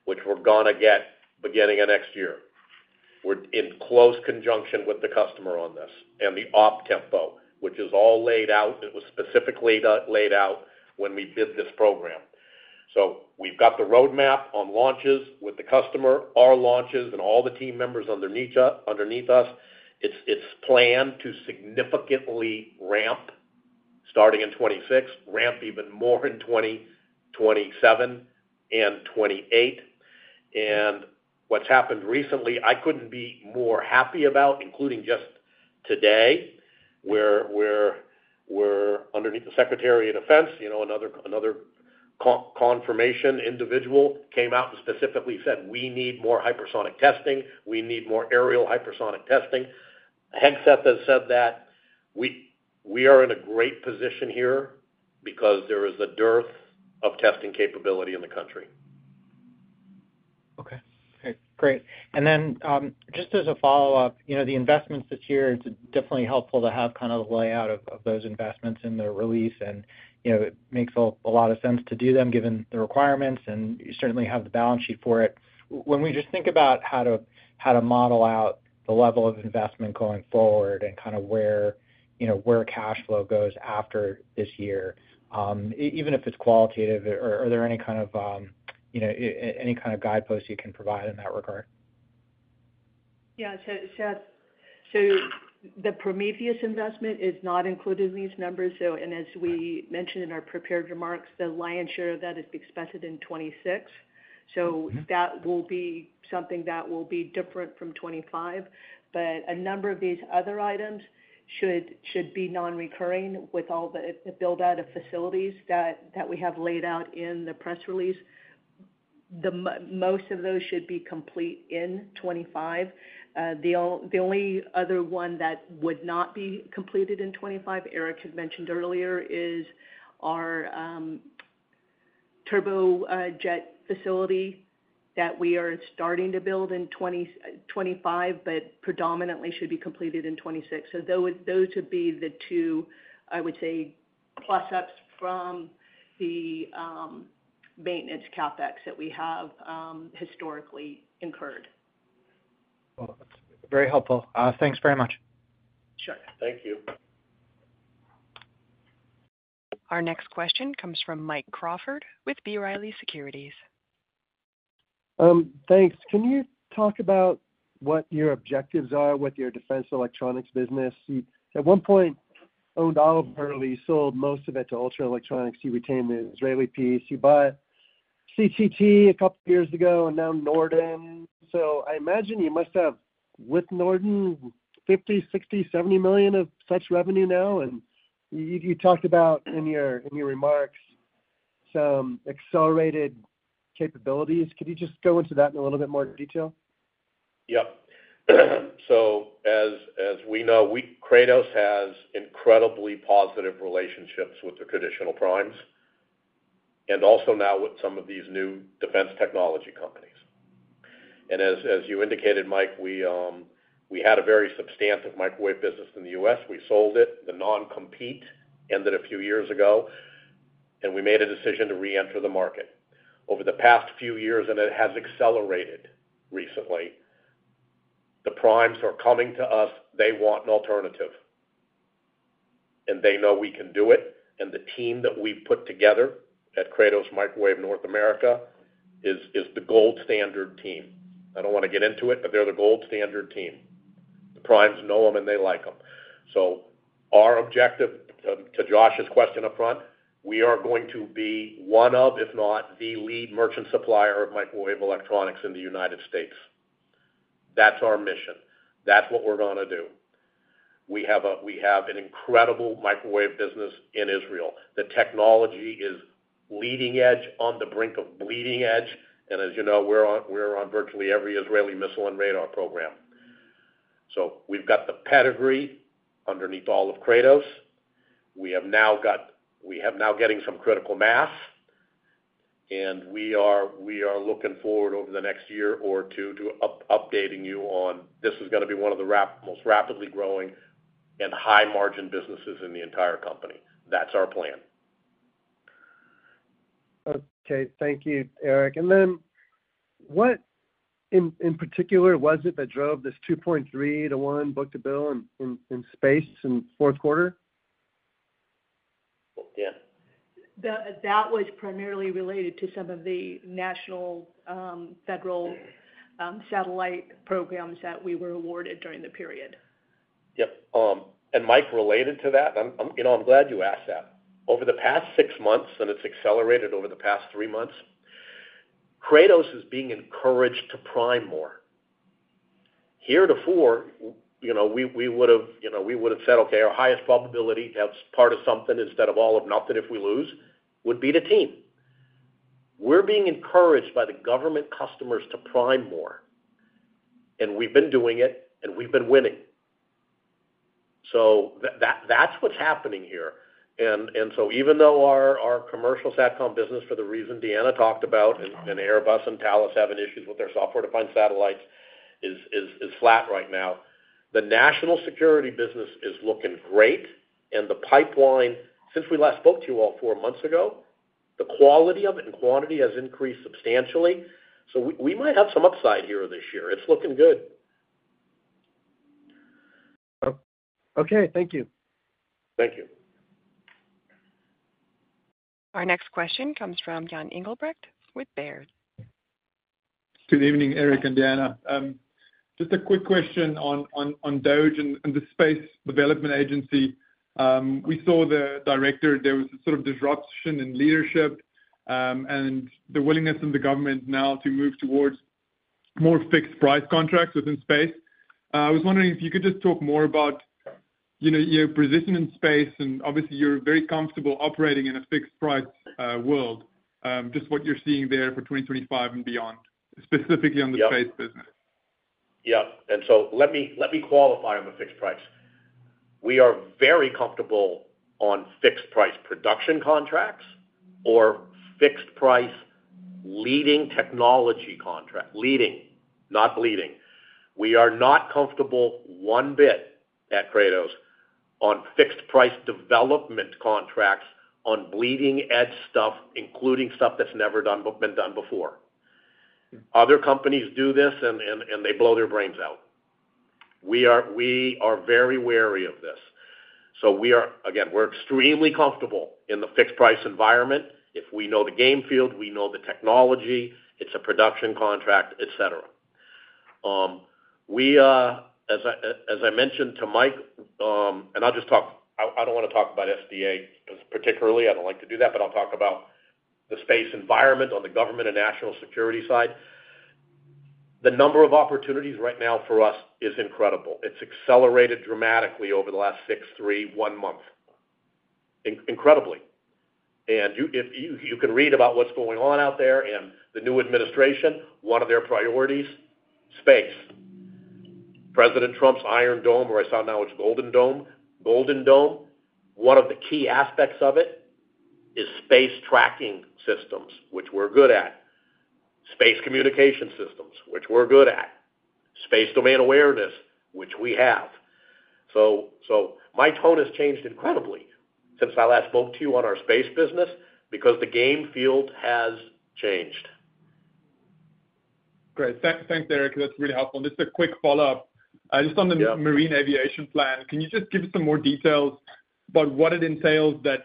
which we're going to get beginning of next year. We're in close conjunction with the customer on this and the op tempo, which is all laid out. It was specifically laid out when we bid this program, so we've got the roadmap on launches with the customer, our launches, and all the team members underneath us. It's planned to significantly ramp starting in 2026, ramp even more in 2027 and 2028. What's happened recently, I couldn't be more happy about, including just today, where we're underneath the Secretary of Defense. Another confirmation individual came out and specifically said, "We need more hypersonic testing. We need more aerial hypersonic testing." Hegseth has said that we are in a great position here because there is a dearth of testing capability in the country.
Okay. Great. And then just as a follow-up, the investments this year, it's definitely helpful to have kind of the layout of those investments in the release, and it makes a lot of sense to do them given the requirements and certainly have the balance sheet for it. When we just think about how to model out the level of investment going forward and kind of where cash flow goes after this year, even if it's qualitative, are there any kind of guideposts you can provide in that regard?
Yeah. So the Prometheus investment is not included in these numbers. And as we mentioned in our prepared remarks, the lion's share of that is expected in 2026. So that will be something that will be different from 2025. But a number of these other items should be non-recurring with all the build-out of facilities that we have laid out in the press release. Most of those should be complete in 2025. The only other one that would not be completed in 2025, Eric had mentioned earlier, is our turbojet facility that we are starting to build in 2025, but predominantly should be completed in 2026. So those would be the two, I would say, plus-ups from the maintenance CapEx that we have historically incurred.
Well, that's very helpful. Thanks very much.
Sure. Thank you.
Our next question comes from Mike Crawford with B. Riley Securities.
Thanks. Can you talk about what your objectives are with your defense electronics business? At one point, owned Herley, sold most of it to Ultra Electronics. You retained the Israeli piece. You bought CTT a couple of years ago and now Norden. So I imagine you must have with Norden $50 million, $60 million, $70 million of such revenue now. And you talked about in your remarks some accelerated capabilities. Could you just go into that in a little bit more detail?
Yep. So as we know, Kratos has incredibly positive relationships with the traditional primes and also now with some of these new defense technology companies. As you indicated, Mike, we had a very substantive microwave business in the U.S. We sold it. The non-compete ended a few years ago, and we made a decision to re-enter the market. Over the past few years, and it has accelerated recently, the primes are coming to us. They want an alternative, and they know we can do it. And the team that we've put together at Kratos Microwave North America is the gold standard team. I don't want to get into it, but they're the gold standard team. The primes know them, and they like them. Our objective to Josh's question upfront, we are going to be one of, if not the lead merchant supplier of microwave electronics in the United States. That's our mission. That's what we're going to do. We have an incredible microwave business in Israel. The technology is leading edge on the brink of bleeding edge. And as you know, we're on virtually every Israeli missile and radar program. So we've got the pedigree underneath all of Kratos. We have now got getting some critical mass, and we are looking forward over the next year or two to updating you on this is going to be one of the most rapidly growing and high-margin businesses in the entire company. That's our plan. Okay. Thank you, Eric. And then what in particular was it that drove this 2.3-to-1 book-to-bill in space in fourth quarter? Yeah. That was primarily related to some of the national federal satellite programs that we were awarded during the period. Yep. And Mike, related to that, I'm glad you asked that. Over the past six months, and it's accelerated over the past three months, Kratos is being encouraged to prime more. Therefore, we would have said, "Okay, our highest probability as part of something instead of all of nothing if we lose would be the team." We're being encouraged by the government customers to prime more, and we've been doing it, and we've been winning. So that's what's happening here. And so even though our commercial satcom business, for the reason Deanna talked about, and Airbus and Thales having issues with their software-defined satellites, is flat right now, the national security business is looking great. And the pipeline, since we last spoke to you all four months ago, the quality of it and quantity has increased substantially. So we might have some upside here this year. It's looking good. Okay. Thank you. Thank you.
Our next question comes from Jan Engelbrecht with Baird.
Good evening, Eric and Deanna. Just a quick question on DOGE and the Space Development Agency. We saw the director; there was a sort of disruption in leadership and the willingness in the government now to move towards more fixed price contracts within space. I was wondering if you could just talk more about your position in space. And obviously, you're very comfortable operating in a fixed price world, just what you're seeing there for 2025 and beyond, specifically on the space business.
Yep. And so let me qualify on the fixed price. We are very comfortable on fixed price production contracts or fixed price leading technology contracts. Leading, not bleeding. We are not comfortable one bit at Kratos on fixed price development contracts on bleeding edge stuff, including stuff that's never been done before. Other companies do this, and they blow their brains out. We are very wary of this. So again, we're extremely comfortable in the fixed price environment. If we know the playing field, we know the technology, it's a production contract, etc. As I mentioned to Mike, and I'll just talk I don't want to talk about SDA particularly. I don't like to do that, but I'll talk about the space environment on the government and national security side. The number of opportunities right now for us is incredible. It's accelerated dramatically over the last six, three, one month. Incredibly. You can read about what's going on out there and the new administration. One of their priorities, space. President Trump's Iron Dome, or I saw now it's Golden Dome. Golden Dome, one of the key aspects of it is space tracking systems, which we're good at. Space communication systems, which we're good at. Space domain awareness, which we have. So my tone has changed incredibly since I last spoke to you on our space business because the playing field has changed.
Great. Thanks, Eric. That's really helpful. And just a quick follow-up. Just on the marine aviation plan, can you just give us some more details about what it entails that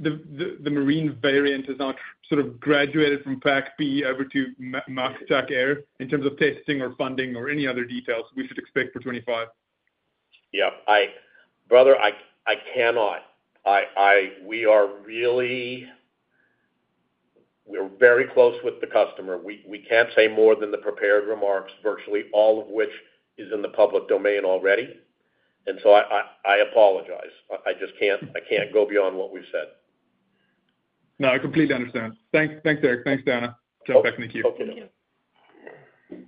the marine variant is now sort of graduated from PAACK-P over to MUX TACAIR in terms of testing or funding or any other details we should expect for 2025?
Yep. Brother, I cannot. We are very close with the customer. We can't say more than the prepared remarks, virtually all of which is in the public domain already. And so I apologize. I can't go beyond what we've said.
No, I completely understand. Thanks, Eric. Thanks, Deanna. Jump back into queue.
Thank you.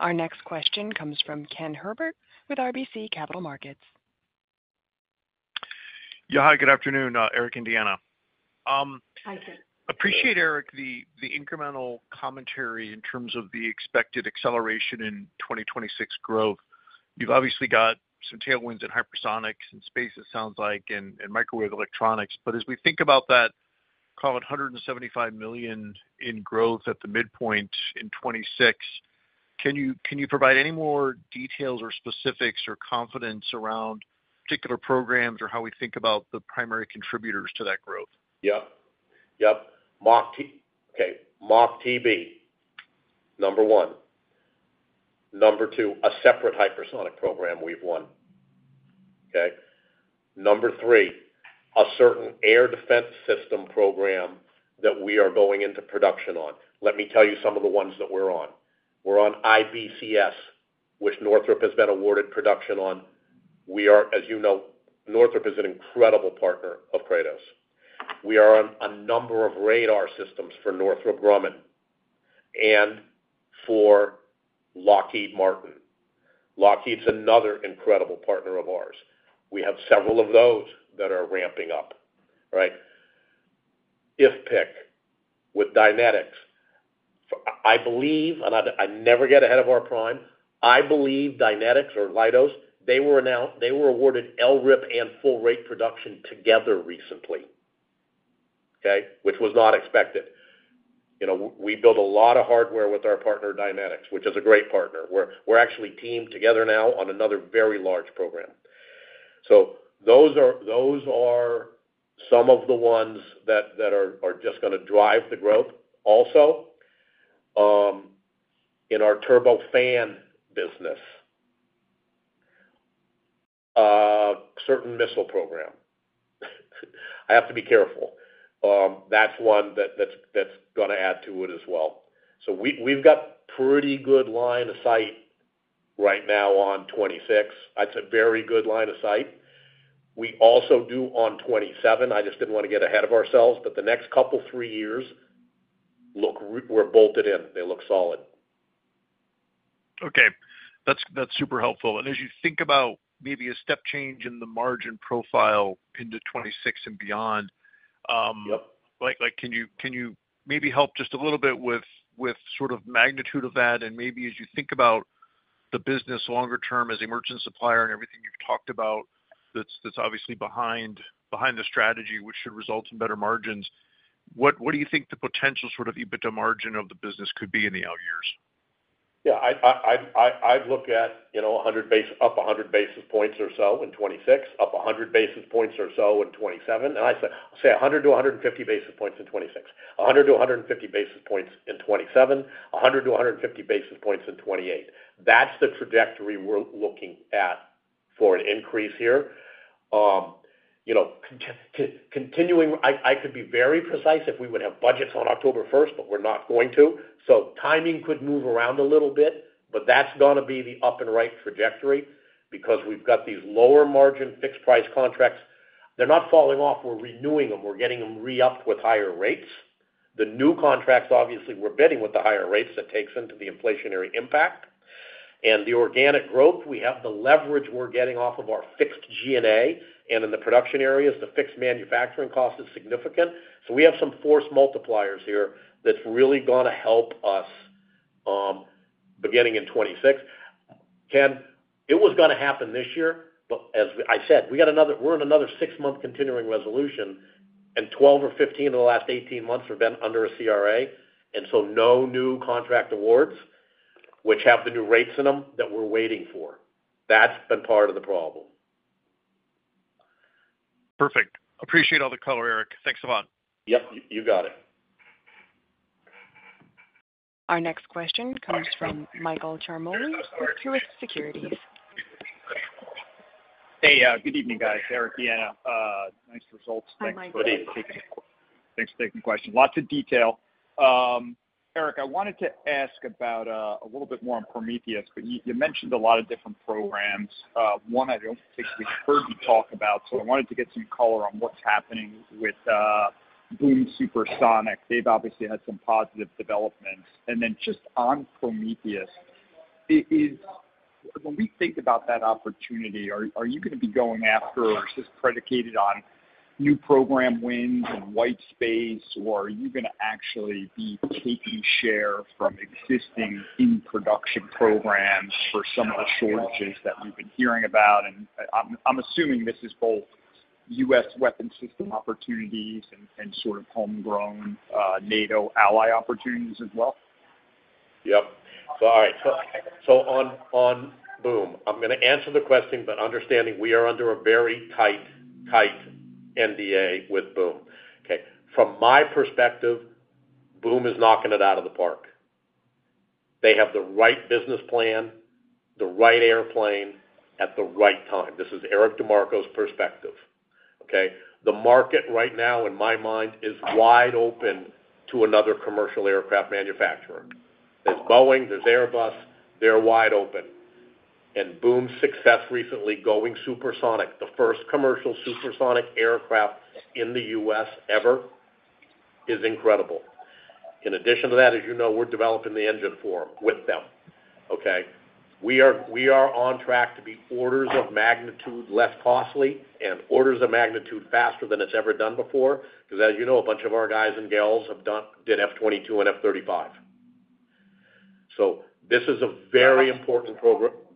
Our next question comes from Ken Herbert with RBC Capital Markets.
Yeah. Hi, good afternoon, Eric and Deanna. Hi, Ken. Appreciate, Eric, the incremental commentary in terms of the expected acceleration in 2026 growth. You've obviously got some tailwinds in hypersonics and space, it sounds like, and microwave electronics. But as we think about that, call it $175 million in growth at the midpoint in 2026, can you provide any more details or specifics or confidence around particular programs or how we think about the primary contributors to that growth?
Yep. Yep. Okay. MAGTF, number one. Number two, a separate hypersonic program we've won. Okay? Number three, a certain air defense system program that we are going into production on. Let me tell you some of the ones that we're on. We're on IBCS, which Northrop Grumman has been awarded production on. As you know, Northrop Grumman is an incredible partner of Kratos. We are on a number of radar systems for Northrop Grumman and for Lockheed Martin. Lockheed Martin's another incredible partner of ours. We have several of those that are ramping up. All right? IFPC with Dynetics. I believe, and I never get ahead of our prime, I believe Dynetics or Leidos, they were awarded LRIP and full-rate production together recently, okay, which was not expected. We build a lot of hardware with our partner Dynetics, which is a great partner. We're actually teamed together now on another very large program. So those are some of the ones that are just going to drive the growth. Also, in our turbofan business, certain missile program. I have to be careful. That's one that's going to add to it as well. So we've got a pretty good line of sight right now on 2026. That's a very good line of sight. We also do on 2027. I just didn't want to get ahead of ourselves, but the next couple, three years look we're bolted in. They look solid.
Okay. That's super helpful. And as you think about maybe a step change in the margin profile into 2026 and beyond, can you maybe help just a little bit with sort of magnitude of that? And maybe as you think about the business longer term as a merchant supplier and everything you've talked about that's obviously behind the strategy, which should result in better margins, what do you think the potential sort of EBITDA margin of the business could be in the out years?
Yeah. I've looked at up 100 basis points or so in 2026, up 100 basis points or so in 2027. And I say 100 to 150 basis points in 2026. 100-150 basis points in 2027. 100-150 basis points in 2028. That's the trajectory we're looking at for an increase here. Continuing, I could be very precise if we would have budgets on October 1st, but we're not going to. So timing could move around a little bit, but that's going to be the up and right trajectory because we've got these lower margin fixed price contracts. They're not falling off. We're renewing them. We're getting them re-upped with higher rates. The new contracts, obviously, we're bidding with the higher rates that takes into the inflationary impact. And the organic growth, we have the leverage we're getting off of our fixed G&A. And in the production areas, the fixed manufacturing cost is significant. So we have some force multipliers here that's really going to help us beginning in 2026. Ken, it was going to happen this year, but as I said, we're in another six-month continuing resolution, and 12 or 15 of the last 18 months have been under a CRA, and so no new contract awards, which have the new rates in them that we're waiting for. That's been part of the problem. Perfect. Appreciate all the color, Eric. Thanks a lot. Yep. You got it. Our next question comes from Michael Ciarmoli, Truist Securities. Hey, good evening, guys. Eric, Deanna. Nice results. Thanks for taking the question. Lots of detail. Eric, I wanted to ask about a little bit more on Prometheus, but you mentioned a lot of different programs. One I don't think we've heard you talk about, so I wanted to get some color on what's happening with Boom Supersonic. They've obviously had some positive developments. And then just on Prometheus, when we think about that opportunity, are you going to be going after, or is this predicated on new program wins and white space, or are you going to actually be taking share from existing in-production programs for some of the shortages that we've been hearing about? And I'm assuming this is both U.S. weapon system opportunities and sort of homegrown NATO ally opportunities as well? Yep. Sorry. So on Boom, I'm going to answer the question, but understanding we are under a very tight, tight NDA with Boom. Okay. From my perspective, Boom is knocking it out of the park. They have the right business plan, the right airplane at the right time. This is Eric DeMarco's perspective. Okay? The market right now, in my mind, is wide open to another commercial aircraft manufacturer. There's Boeing, there's Airbus. They're wide open. And Boom's success recently going supersonic, the first commercial supersonic aircraft in the U.S. ever, is incredible. In addition to that, as you know, we're developing the engine for them with them. Okay? We are on track to be orders of magnitude less costly and orders of magnitude faster than it's ever done before because, as you know, a bunch of our guys and gals did F-22 and F-35. So this is a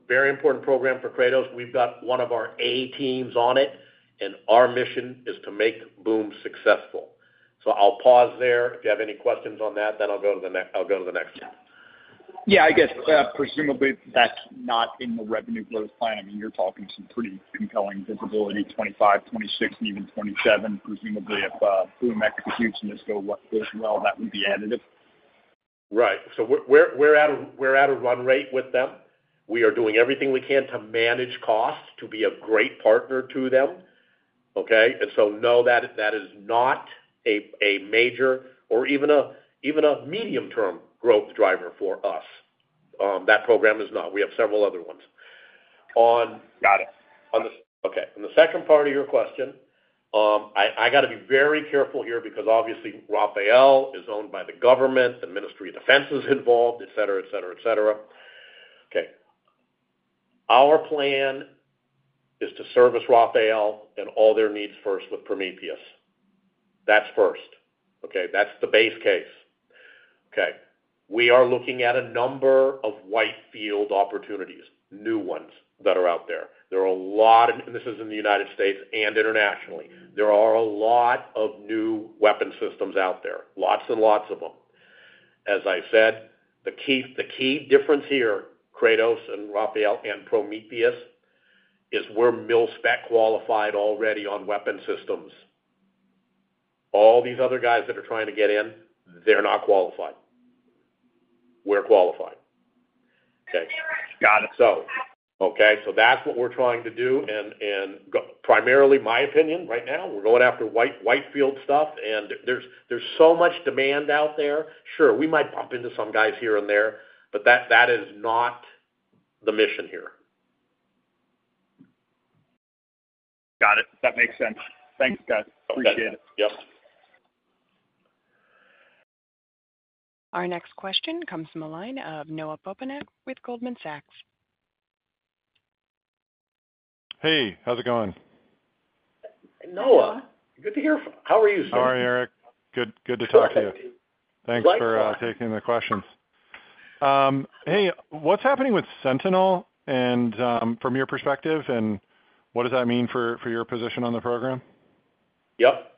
very important program for Kratos. We've got one of our A teams on it, and our mission is to make Boom successful. So I'll pause there. If you have any questions on that, then I'll go to the next one. Yeah. I guess presumably that's not in the revenue growth plan. I mean, you're talking some pretty compelling visibility 2025, 2026, and even 2027, presumably if Boom executes and this goes well, that would be additive. Right. So we're at a run rate with them. We are doing everything we can to manage costs, to be a great partner to them. Okay? And so no, that is not a major or even a medium-term growth driver for us. That program is not. We have several other ones. Got it. Okay. On the second part of your question, I got to be very careful here because obviously Rafael is owned by the government, the Ministry of Defense is involved, etc., etc., etc. Okay. Our plan is to service Rafael and all their needs first with Prometheus. That's first. Okay? That's the base case. Okay. We are looking at a number of white space opportunities, new ones that are out there. There are a lot of, and this is in the United States and internationally, there are a lot of new weapon systems out there. Lots and lots of them. As I said, the key difference here, Kratos and Rafael and Prometheus, is we're mil-spec qualified already on weapon systems. All these other guys that are trying to get in, they're not qualified. We're qualified. Okay? Got it. Okay? So that's what we're trying to do. And primarily, my opinion right now, we're going after white field stuff, and there's so much demand out there. Sure, we might bump into some guys here and there, but that is not the mission here.
Got it. That makes sense. Thanks, guys. Appreciate it.
Yep.
Our next question comes from a line of Noah Poponak with Goldman Sachs.
Hey, how's it going?
Noah. Good to hear. How are you, sir?
Sorry, Eric. Good to talk to you. Thanks for taking the questions. Hey, what's happening with Sentinel from your perspective, and what does that mean for your position on the program?
Yep.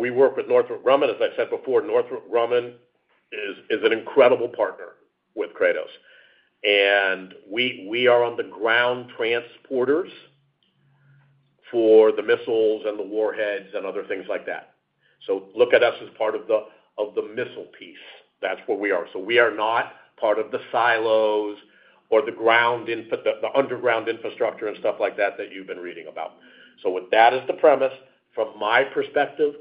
We work with Northrop Grumman. As I said before, Northrop Grumman is an incredible partner with Kratos. We are on the ground transporters for the missiles and the warheads and other things like that. Look at us as part of the missile piece. That's what we are. We are not part of the silos or the underground infrastructure and stuff like that that you've been reading about. With that as the premise, from my perspective,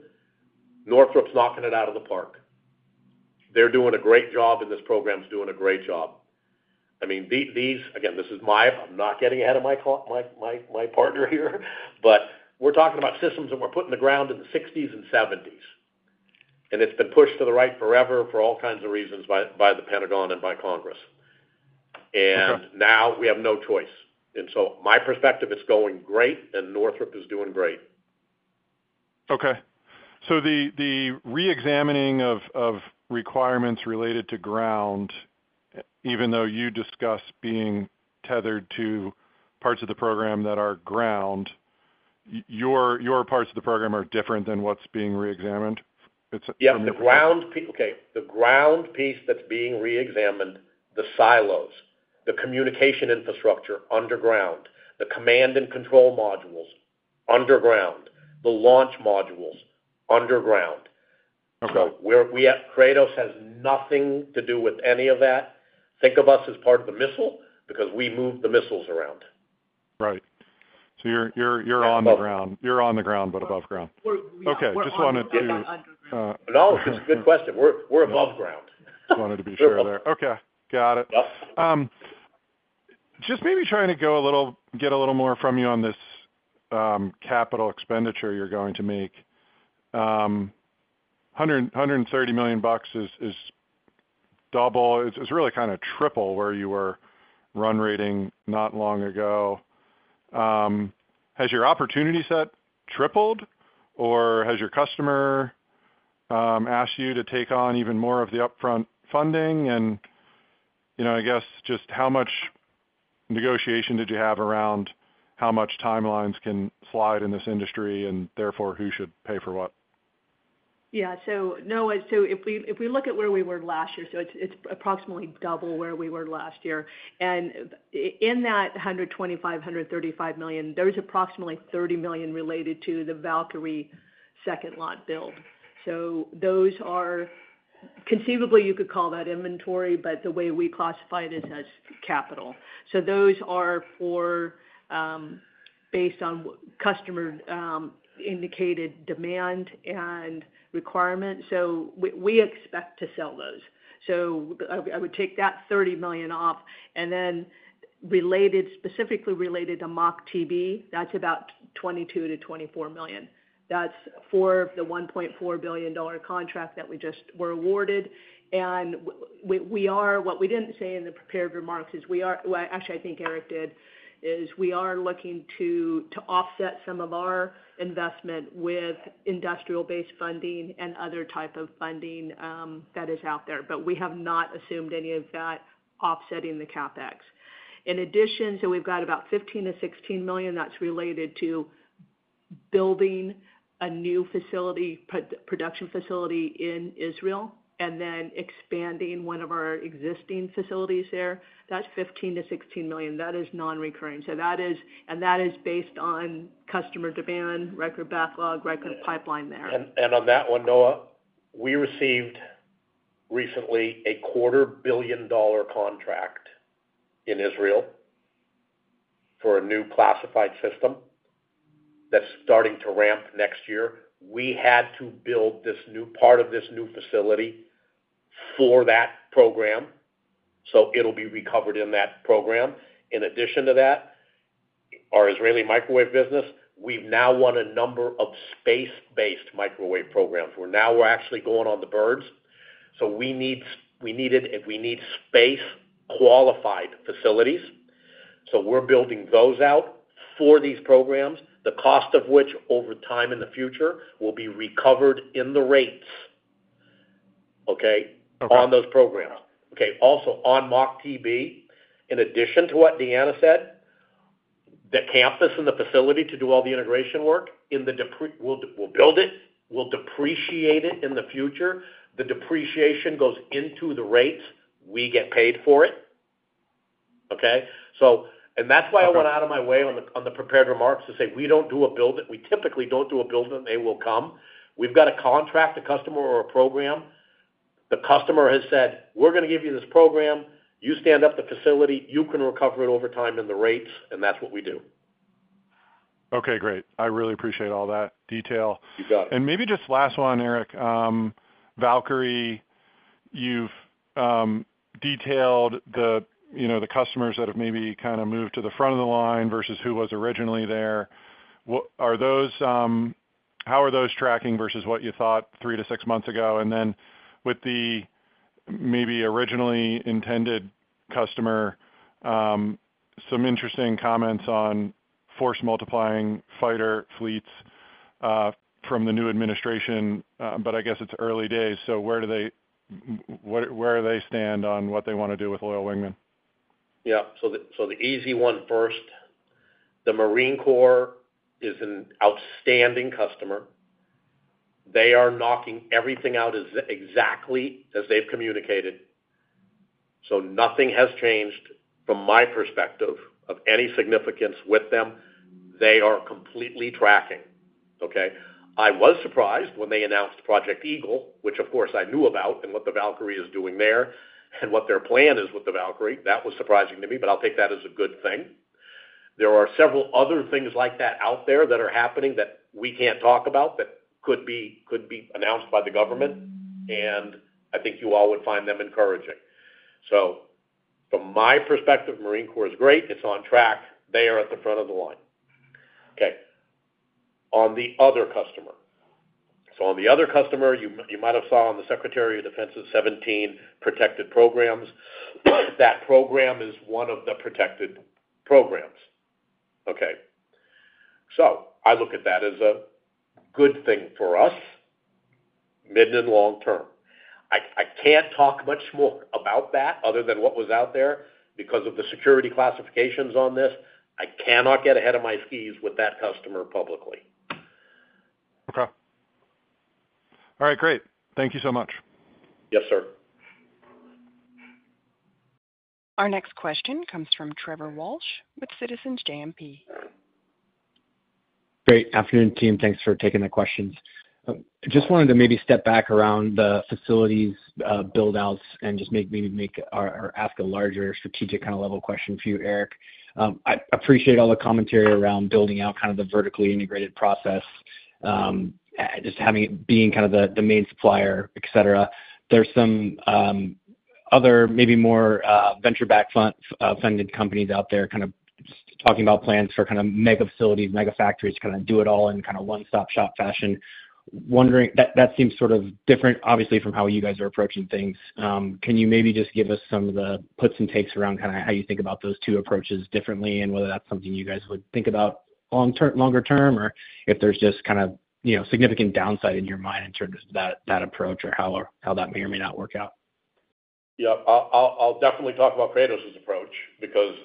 Northrop's knocking it out of the park. They're doing a great job, and this program's doing a great job. I mean, again, this is my. I'm not getting ahead of my partner here, but we're talking about systems that we're putting to ground in the '60s and '70s. It's been pushed to the right forever for all kinds of reasons by the Pentagon and by Congress. Now we have no choice, and so my perspective, it's going great, and Northrop is doing great.
Okay, so the re-examining of requirements related to ground, even though you discussed being tethered to parts of the program that are ground, your parts of the program are different than what's being re-examined?
Yes. Okay. The ground piece that's being re-examined, the silos, the communication infrastructure underground, the command and control modules underground, the launch modules underground, so Kratos has nothing to do with any of that. Think of us as part of the missile because we move the missiles around.
Right, so you're on the ground, but above ground. Okay. Just wanted to,
no, it's a good question. We're above ground. Just wanted to be sure there.
Okay. Got it. Just maybe trying to get a little more from you on this capital expenditure you'e going to make. $130 million is double. It's really kind of triple where you were run rate not long ago. Has your opportunity set tripled, or has your customer asked you to take on even more of the upfront funding? And I guess just how much negotiation did you have around how much timelines can slide in this industry, and therefore, who should pay for what?
Yeah. So if we look at where we were last year, so it's approximately double where we were last year. And in that $125-$135 million, there's approximately $30 million related to the Valkyrie second lot build. So conceivably, you could call that inventory, but the way we classify this as capital. So those are based on customer-indicated demand and requirement. So we expect to sell those. So I would take that $30 million off. Then specifically related to MACH-TB, that's about $22 million-$24 million. That's for the $1.4 billion contract that we just were awarded. And what we didn't say in the prepared remarks is we are, well, actually, I think Eric did, is we are looking to offset some of our investment with industrial-based funding and other types of funding that is out there. But we have not assumed any of that offsetting the CapEx. In addition, so we've got about $15 million-$16 million that's related to building a new production facility in Israel and then expanding one of our existing facilities there. That's $15 million-$16 million. That is non-recurring. And that is based on customer demand, record backlog, record pipeline there.
And on that one, Noah, we received recently a $250 million contract in Israel for a new classified system that's starting to ramp next year. We had to build this new part of this new facility for that program, so it'll be recovered in that program. In addition to that, our Israeli microwave business, we've now won a number of space-based microwave programs. Now we're actually going on the birds, so we need space-qualified facilities. So we're building those out for these programs, the cost of which over time in the future will be recovered in the rates, okay, on those programs. Okay. Also, on MACH-TB, in addition to what Deanna said, the campus and the facility to do all the integration work, we'll build it. We'll depreciate it in the future. The depreciation goes into the rates. We get paid for it. Okay? And that's why I went out of my way on the prepared remarks to say we don't do a build. We typically don't do a build, and they will come. We've got a contract, a customer, or a program. The customer has said, "We're going to give you this program. You stand up the facility. You can recover it over time in the rates." And that's what we do.
Okay. Great. I really appreciate all that detail. And maybe just last one, Eric. Valkyrie, you've detailed the customers that have maybe kind of moved to the front of the line versus who was originally there. How are those tracking versus what you thought three to six months ago? And then with the maybe originally intended customer, some interesting comments on force-multiplying fighter fleets from the new administration, but I guess it's early days. So where do they stand on what they want to do with Loyal Wingman?
Yeah. So the easy one first. The Marine Corps is an outstanding customer. They are knocking everything out exactly as they've communicated. So nothing has changed from my perspective of any significance with them. They are completely tracking. Okay? I was surprised when they announced Project Eagle, which, of course, I knew about and what the Valkyrie is doing there and what their plan is with the Valkyrie. That was surprising to me, but I'll take that as a good thing. There are several other things like that out there that are happening that we can't talk about that could be announced by the government. And I think you all would find them encouraging. So from my perspective, Marine Corps is great. It's on track. They are at the front of the line. Okay. On the other customer. So on the other customer, you might have saw on the Secretary of Defense's '17 protected programs. That program is one of the protected programs. Okay. So I look at that as a good thing for us, mid and long term. I can't talk much more about that other than what was out there because of the security classifications on this. I cannot get ahead of my skis with that customer publicly.
Okay. All right. Great. Thank you so much.
Yes, sir.
Our next question comes from Trevor Walsh with Citizens JMP.
Great. Afternoon, team. Thanks for taking the questions. Just wanted to maybe step back around the facilities build-outs and just maybe ask a larger strategic kind of level question for you, Eric. I appreciate all the commentary around building out kind of the vertically integrated process, just being kind of the main supplier, etc. There's some other maybe more venture-backed funded companies out there kind of talking about plans for kind of mega facilities, mega factories, kind of do it all in kind of one-stop-shop fashion. That seems sort of different, obviously, from how you guys are approaching things. Can you maybe just give us some of the puts and takes around kind of how you think about those two approaches differently and whether that's something you guys would think about longer term or if there's just kind of significant downside in your mind in terms of that approach or how that may or may not work out?
Yeah. I'll definitely talk about Kratos' approach because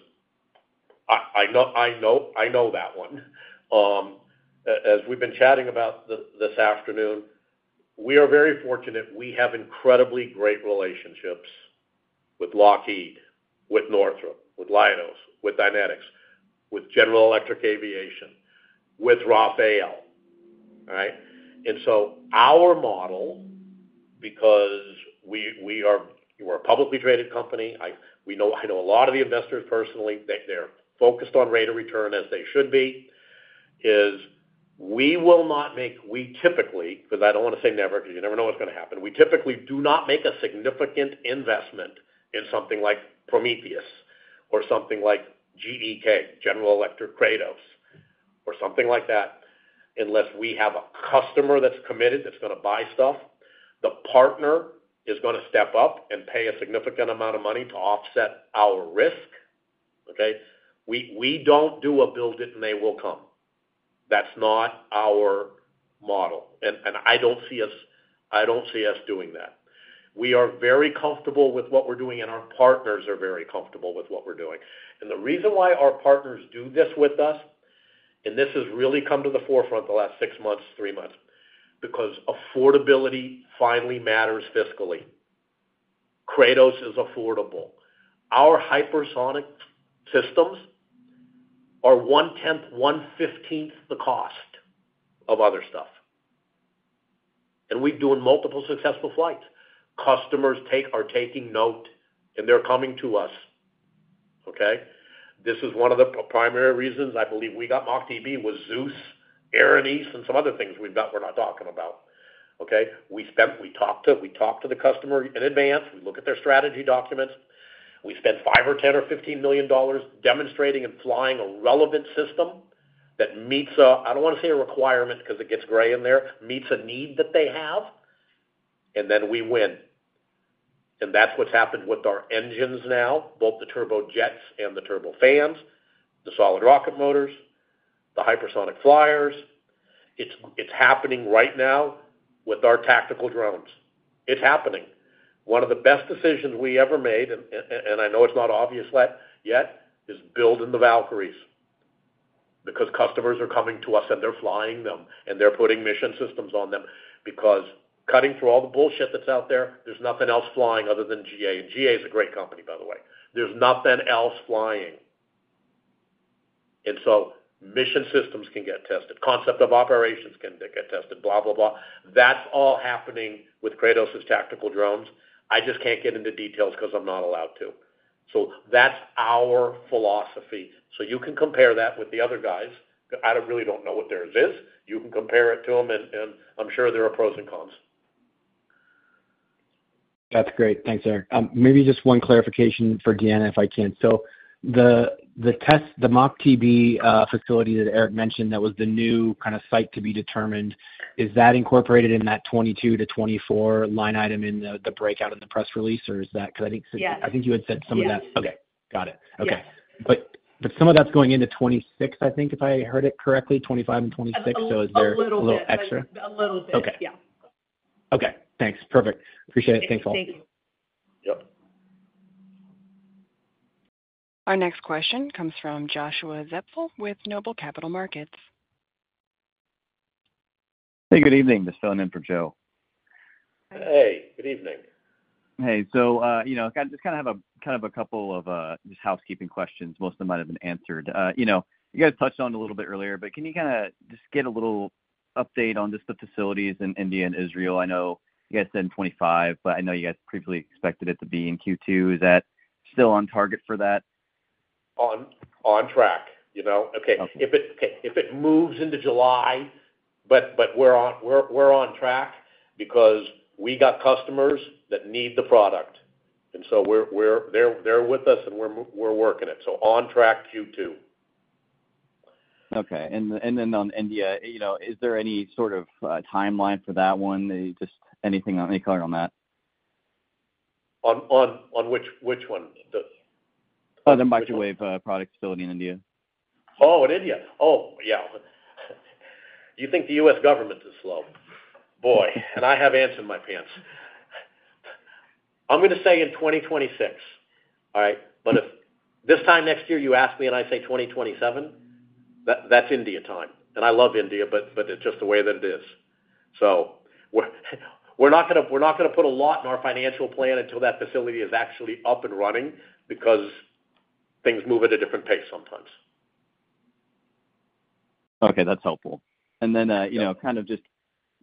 I know that one. As we've been chatting about this afternoon, we are very fortunate. We have incredibly great relationships with Lockheed, with Northrop, with L3Harris, with Dynetics, with General Electric Aviation, with Rafael. All right? And so our model, because we are a publicly traded company, I know a lot of the investors personally. They're focused on rate of return as they should be, is we will not make. We typically, because I don't want to say never because you never know what's going to happen, we typically do not make a significant investment in something like Prometheus or something like GEK, General Electric Kratos, or something like that unless we have a customer that's committed, that's going to buy stuff. The partner is going to step up and pay a significant amount of money to offset our risk. Okay? We don't do a build-it-and-they-will-come. That's not our model. And I don't see us, I don't see us doing that. We are very comfortable with what we're doing, and our partners are very comfortable with what we're doing. And the reason why our partners do this with us, and this has really come to the forefront the last six months, three months, because affordability finally matters fiscally. Kratos is affordable. Our hypersonic systems are one-tenth, one-fifteenth the cost of other stuff. And we've done multiple successful flights. Customers are taking note, and they're coming to us. Okay? This is one of the primary reasons I believe we got MACH-TB was Zeus, Erinys, and some other things we're not talking about. Okay? We talked to the customer in advance. We look at their strategy documents. We spent $5 million or $10 million or $15 million demonstrating and flying a relevant system that meets a, I don't want to say a requirement because it gets gray in there, meets a need that they have, and then we win. And that's what's happened with our engines now, both the turbojets and the turbofans, the solid rocket motors, the hypersonic flyers. It's happening right now with our tactical drones. It's happening. One of the best decisions we ever made, and I know it's not obvious yet, is building the Valkyries because customers are coming to us, and they're flying them, and they're putting mission systems on them. Because cutting through all the bullshit that's out there, there's nothing else flying other than GA. And GA is a great company, by the way. There's nothing else flying. And so mission systems can get tested. Concept of operations can get tested, blah, blah, blah. That's all happening with Kratos' tactical drones. I just can't get into details because I'm not allowed to. So that's our philosophy. So you can compare that with the other guys. I really don't know what theirs is. You can compare it to them, and I'm sure there are pros and cons.
That's great. Thanks, Eric. Maybe just one clarification for Deanna, if I can. So the MACH-TB facility that Eric mentioned that was the new kind of site to be determined, is that incorporated in that 2022 to 2024 line item in the breakout in the press release, or is that because I think you had said some of that?
Yes.
Okay. Got it. Okay. But some of that's going into 2026, I think, if I heard it correctly, 2025 and 2026. So is there a little extra?
A little bit. Yeah.
Okay. Thanks. Perfect. Appreciate it. Thanks, all.
Thank you. Yep.
Our next question comes from Joshua Zoepfel with Noble Capital Markets.
Hey, good evening. Just filling in for Joe.
Hey. Good evening.
Hey. So I just kind of have kind of a couple of just housekeeping questions. Most of them might have been answered. You guys touched on it a little bit earlier, but can you kind of just get a little update on just the facilities in India and Israel? I know you guys said '25, but I know you guys previously expected it to be in Q2. Is that still on target for that?
On track. Okay. If it moves into July, but we're on track because we got customers that need the product. And so they're with us, and we're working it. So on track Q2.
Okay. And then on India, is there any sort of timeline for that one? Just any color on that? On which one? The microwave product facility in India.
Oh, in India. Oh, yeah. You think the U.S. government is slow. Boy. I have ants in my pants. I'm going to say in 2026. All right? But if this time next year you ask me and I say 2027, that's India time. And I love India, but it's just the way that it is. So we're not going to put a lot in our financial plan until that facility is actually up and running because things move at a different pace sometimes.
Okay. That's helpful. And then kind of just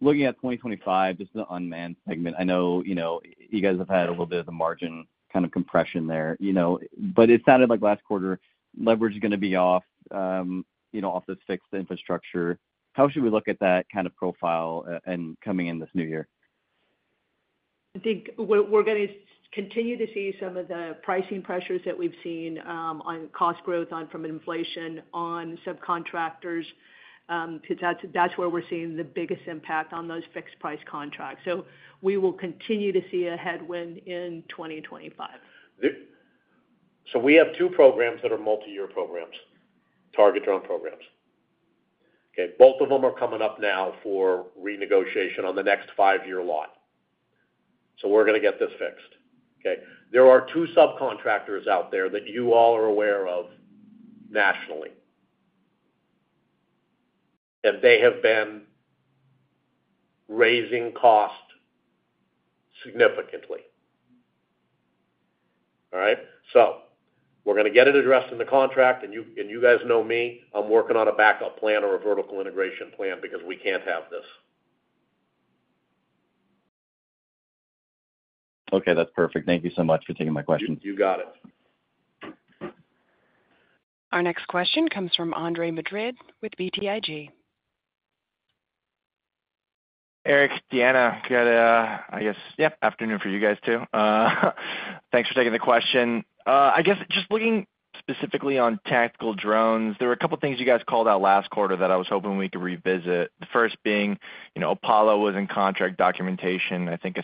looking at 2025, just the unmanned segment, I know you guys have had a little bit of the margin kind of compression there. But it sounded like last quarter, leverage is going to be off this fixed infrastructure. How should we look at that kind of profile coming in this new year?
I think we're going to continue to see some of the pricing pressures that we've seen on cost growth from inflation on subcontractors because that's where we're seeing the biggest impact on those fixed-price contracts. So we will continue to see a headwind in 2025.
So we have two programs that are multi-year programs, target drone programs. Okay? Both of them are coming up now for renegotiation on the next five-year lot. So we're going to get this fixed. Okay? There are two subcontractors out there that you all are aware of nationally. And they have been raising cost significantly. All right? So we're going to get it addressed in the contract. And you guys know me. I'm working on a backup plan or a vertical integration plan because we can't have this.
Okay. That's perfect. Thank you so much for taking my question.
You got it.
Our next question comes from Andre Madrid with BTIG.
Eric, Deanna, good, I guess, yeah, afternoon for you guys too. Thanks for taking the question. I guess just looking specifically on tactical drones, there were a couple of things you guys called out last quarter that I was hoping we could revisit. The first being Apollo was in contract documentation. I think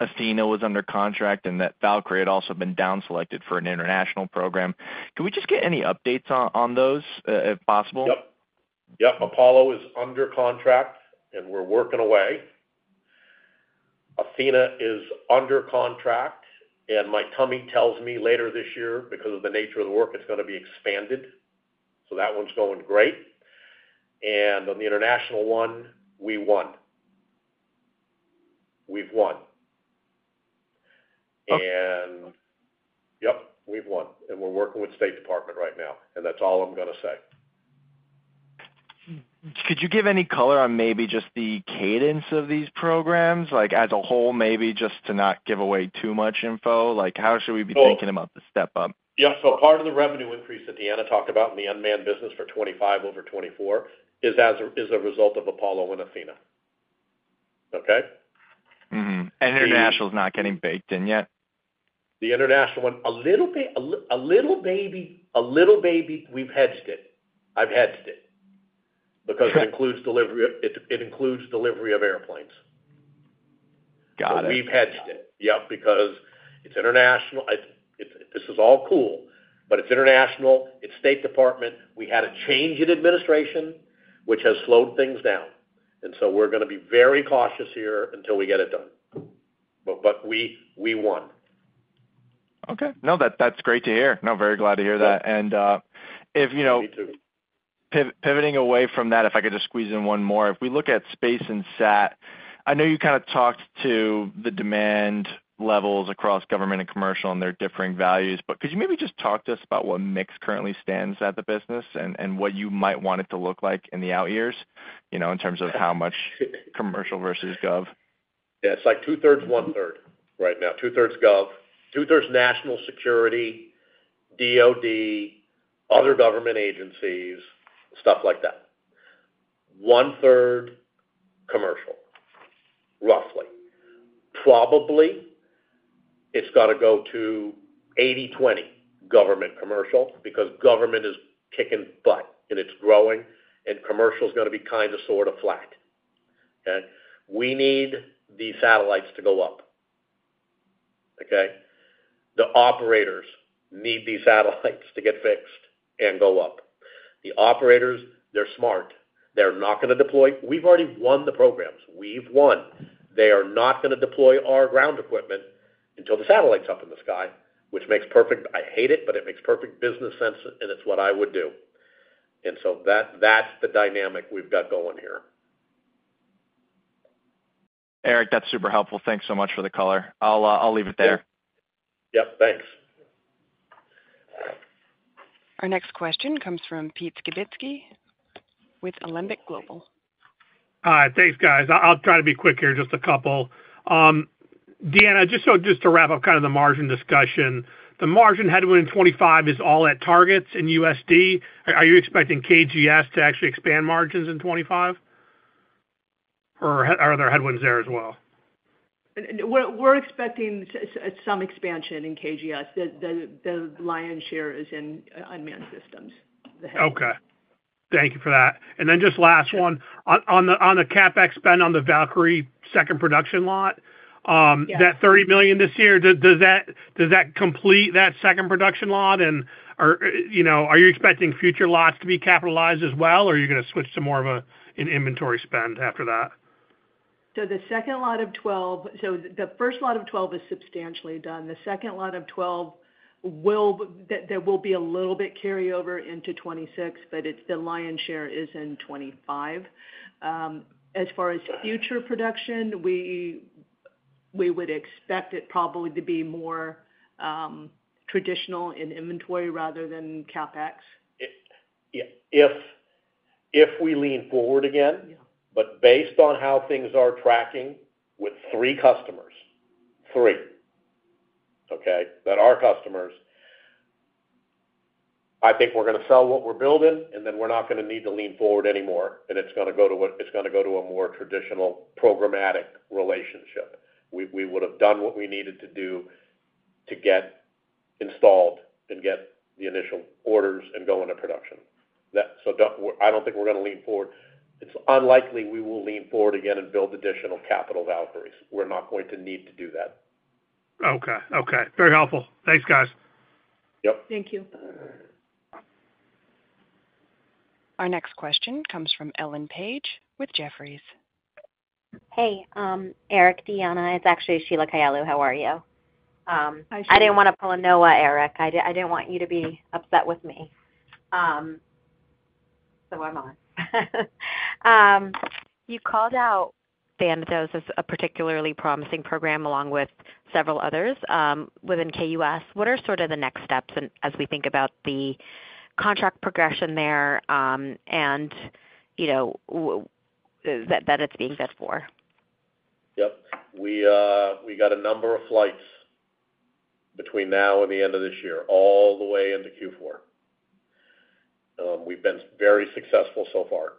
Athena was under contract and that Valkyrie had also been downselected for an international program. Can we just get any updates on those if possible?
Yep. Yep. Apollo is under contract, and we're working away. Athena is under contract. And my tummy tells me later this year because of the nature of the work, it's going to be expanded. So that one's going great. And on the international one, we won. We've won. And yep, we've won. And we're working with State Department right now. And that's all I'm going to say.
Could you give any color on maybe just the cadence of these programs as a whole, maybe just to not give away too much info? How should we be thinking about the step-up?
Yeah. So part of the revenue increase that Deanna talked about in the unmanned business for 2025 over 2024 is a result of Apollo and Athena. Okay? And international is not getting baked in yet? The international one, a little baby, a little baby, we've hedged it. I've hedged it because it includes delivery of airplanes. Got it. We've hedged it. Yep. Because it's international. This is all cool, but it's international. It's State Department. We had a change in administration, which has slowed things down. And so we're going to be very cautious here until we get it done. But we won. Okay. No, that's great to hear.
No, very glad to hear that. And if you know. Me too. Pivoting away from that, if I could just squeeze in one more. If we look at space and SAT, I know you kind of talked to the demand levels across government and commercial and their differing values. But could you maybe just talk to us about what mix currently stands at the business and what you might want it to look like in the out years in terms of how much commercial versus Gov?
Yeah. It's like two-thirds, one-third right now. Two-thirds Gov, two-thirds national security, DOD, other government agencies, stuff like that. One-third commercial, roughly. Probably it's got to go to 80/20 government-commercial because government is kicking butt and it's growing and commercial is going to be kind of sort of flat. Okay? We need these satellites to go up. Okay? The operators need these satellites to get fixed and go up. The operators, they're smart. They're not going to deploy. We've already won the programs. We've won. They are not going to deploy our ground equipment until the satellite's up in the sky, which makes perfect sense, I hate it, but it makes perfect business sense, and it's what I would do, and so that's the dynamic we've got going here.
Eric, that's super helpful. Thanks so much for the color. I'll leave it there.
Yep. Thanks.
Our next question comes from Pete Skibitski with Alembic Global.
Thanks, guys. I'll try to be quick here, just a couple. Deanna, just to wrap up kind of the margin discussion, the margin headwind in 2025 is all at targets in USD. Are you expecting KGS to actually expand margins in 2025? Or are there headwinds there as well?
We're expecting some expansion in KGS. The lion's share is in unmanned systems.
Okay. Thank you for that. Then just last one. On the CapEx spend on the Valkyrie second production lot, that $30 million this year, does that complete that second production lot? And are you expecting future lots to be capitalized as well, or are you going to switch to more of an inventory spend after that?
The second lot of '12—so the first lot of '12 is substantially done. The second lot of '12, there will be a little bit of carryover into 2026, but the lion's share is in 2025. As far as future production, we would expect it probably to be more traditional in inventory rather than CapEx.
If we lean forward again, but based on how things are tracking with three customers, okay, that are customers, I think we're going to sell what we're building, and then we're not going to need to lean forward anymore. And it's going to go to a more traditional programmatic relationship. We would have done what we needed to do to get installed and get the initial orders and go into production. So I don't think we're going to lean forward. It's unlikely we will lean forward again and build additional capital Valkyries. We're not going to need to do that.
Okay. Okay. Very helpful. Thanks, guys.
Yep.
Thank you.
Our next question comes from Ellen Page with Jefferies.
Hey, Eric, Deanna. It's actually Sheila Kahyaoglu. How are you? Hi, Sheila. I didn't want to pull a Noah, Eric. I didn't want you to be upset with me. So am I. You called out Thanatos as a particularly promising program along with several others within KUS. What are sort of the next steps as we think about the contract progression there and that it's being set for?
Yep. We got a number of flights between now and the end of this year, all the way into Q4. We've been very successful so far.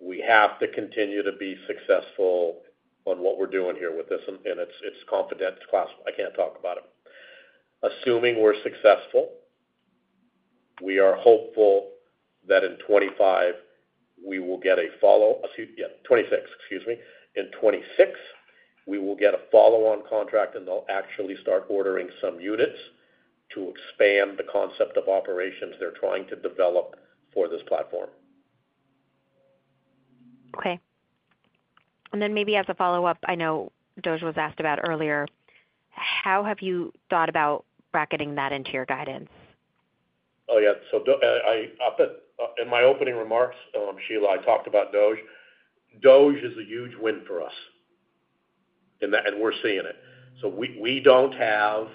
We have to continue to be successful on what we're doing here with this. And it's confident. I can't talk about it. Assuming we're successful, we are hopeful that in 2025, we will get a follow - yeah, 2026, excuse me. In 2026, we will get a follow-on contract, and they'll actually start ordering some units to expand the concept of operations they're trying to develop for this platform.
Okay. And then maybe as a follow-up, I know DOGE was asked about earlier. How have you thought about bracketing that into your guidance?
Oh, yeah. So in my opening remarks, Sheila, I talked about DOGE. DOGE is a huge win for us, and we're seeing it. So we don't have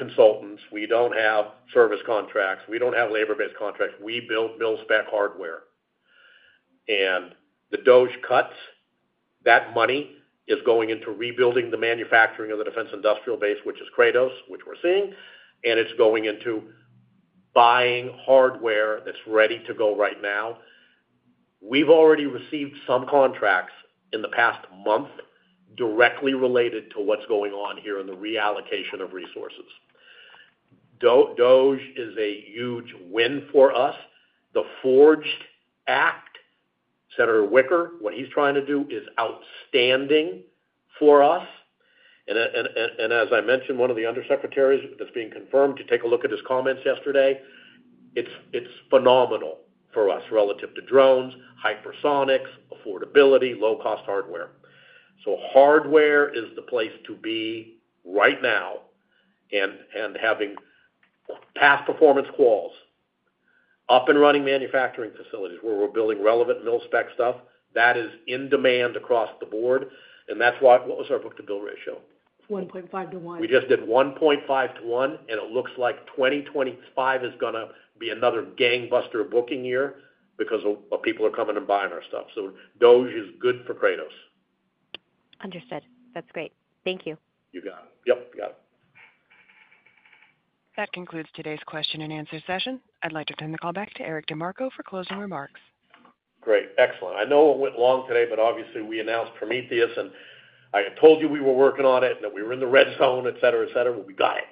consultants. We don't have service contracts. We don't have labor-based contracts. We build mil-spec hardware. And the DOGE cuts, that money is going into rebuilding the manufacturing of the defense industrial base, which is Kratos, which we're seeing. And it's going into buying hardware that's ready to go right now. We've already received some contracts in the past month directly related to what's going on here in the reallocation of resources. DOGE is a huge win for us. The FORGE Act, Senator Wicker, what he's trying to do is outstanding for us. As I mentioned, one of the undersecretaries that's being confirmed to take a look at his comments yesterday. It's phenomenal for us relative to drones, hypersonics, affordability, low-cost hardware. Hardware is the place to be right now. Having past performance quals, up-and-running manufacturing facilities where we're building relevant mil-spec stuff, that is in demand across the board. What was our book-to-bill ratio? 1.5 to 1. We just did 1.5 to 1, and it looks like 2025 is going to be another gangbuster booking year because people are coming and buying our stuff. DOGE is good for Kratos.
Understood. That's great. Thank you.
You got it. Yep. You got it.
That concludes today's question and answer session. I'd like to turn the call back to Eric DeMarco for closing remarks. Great. Excellent.
I know it went long today, but obviously, we announced Prometheus, and I had told you we were working on it and that we were in the red zone, etc., etc. Well, we got it.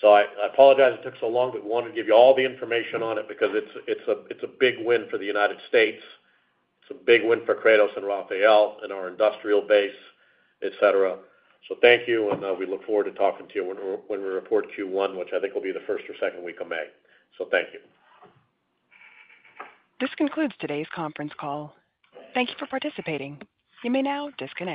So I apologize it took so long, but we wanted to give you all the information on it because it's a big win for the United States. It's a big win for Kratos and Rafael and our industrial base, etc. So thank you, and we look forward to talking to you when we report Q1, which I think will be the first or second week of May. So thank you. This concludes today's conference call. Thank you for participating. You may now disconnect.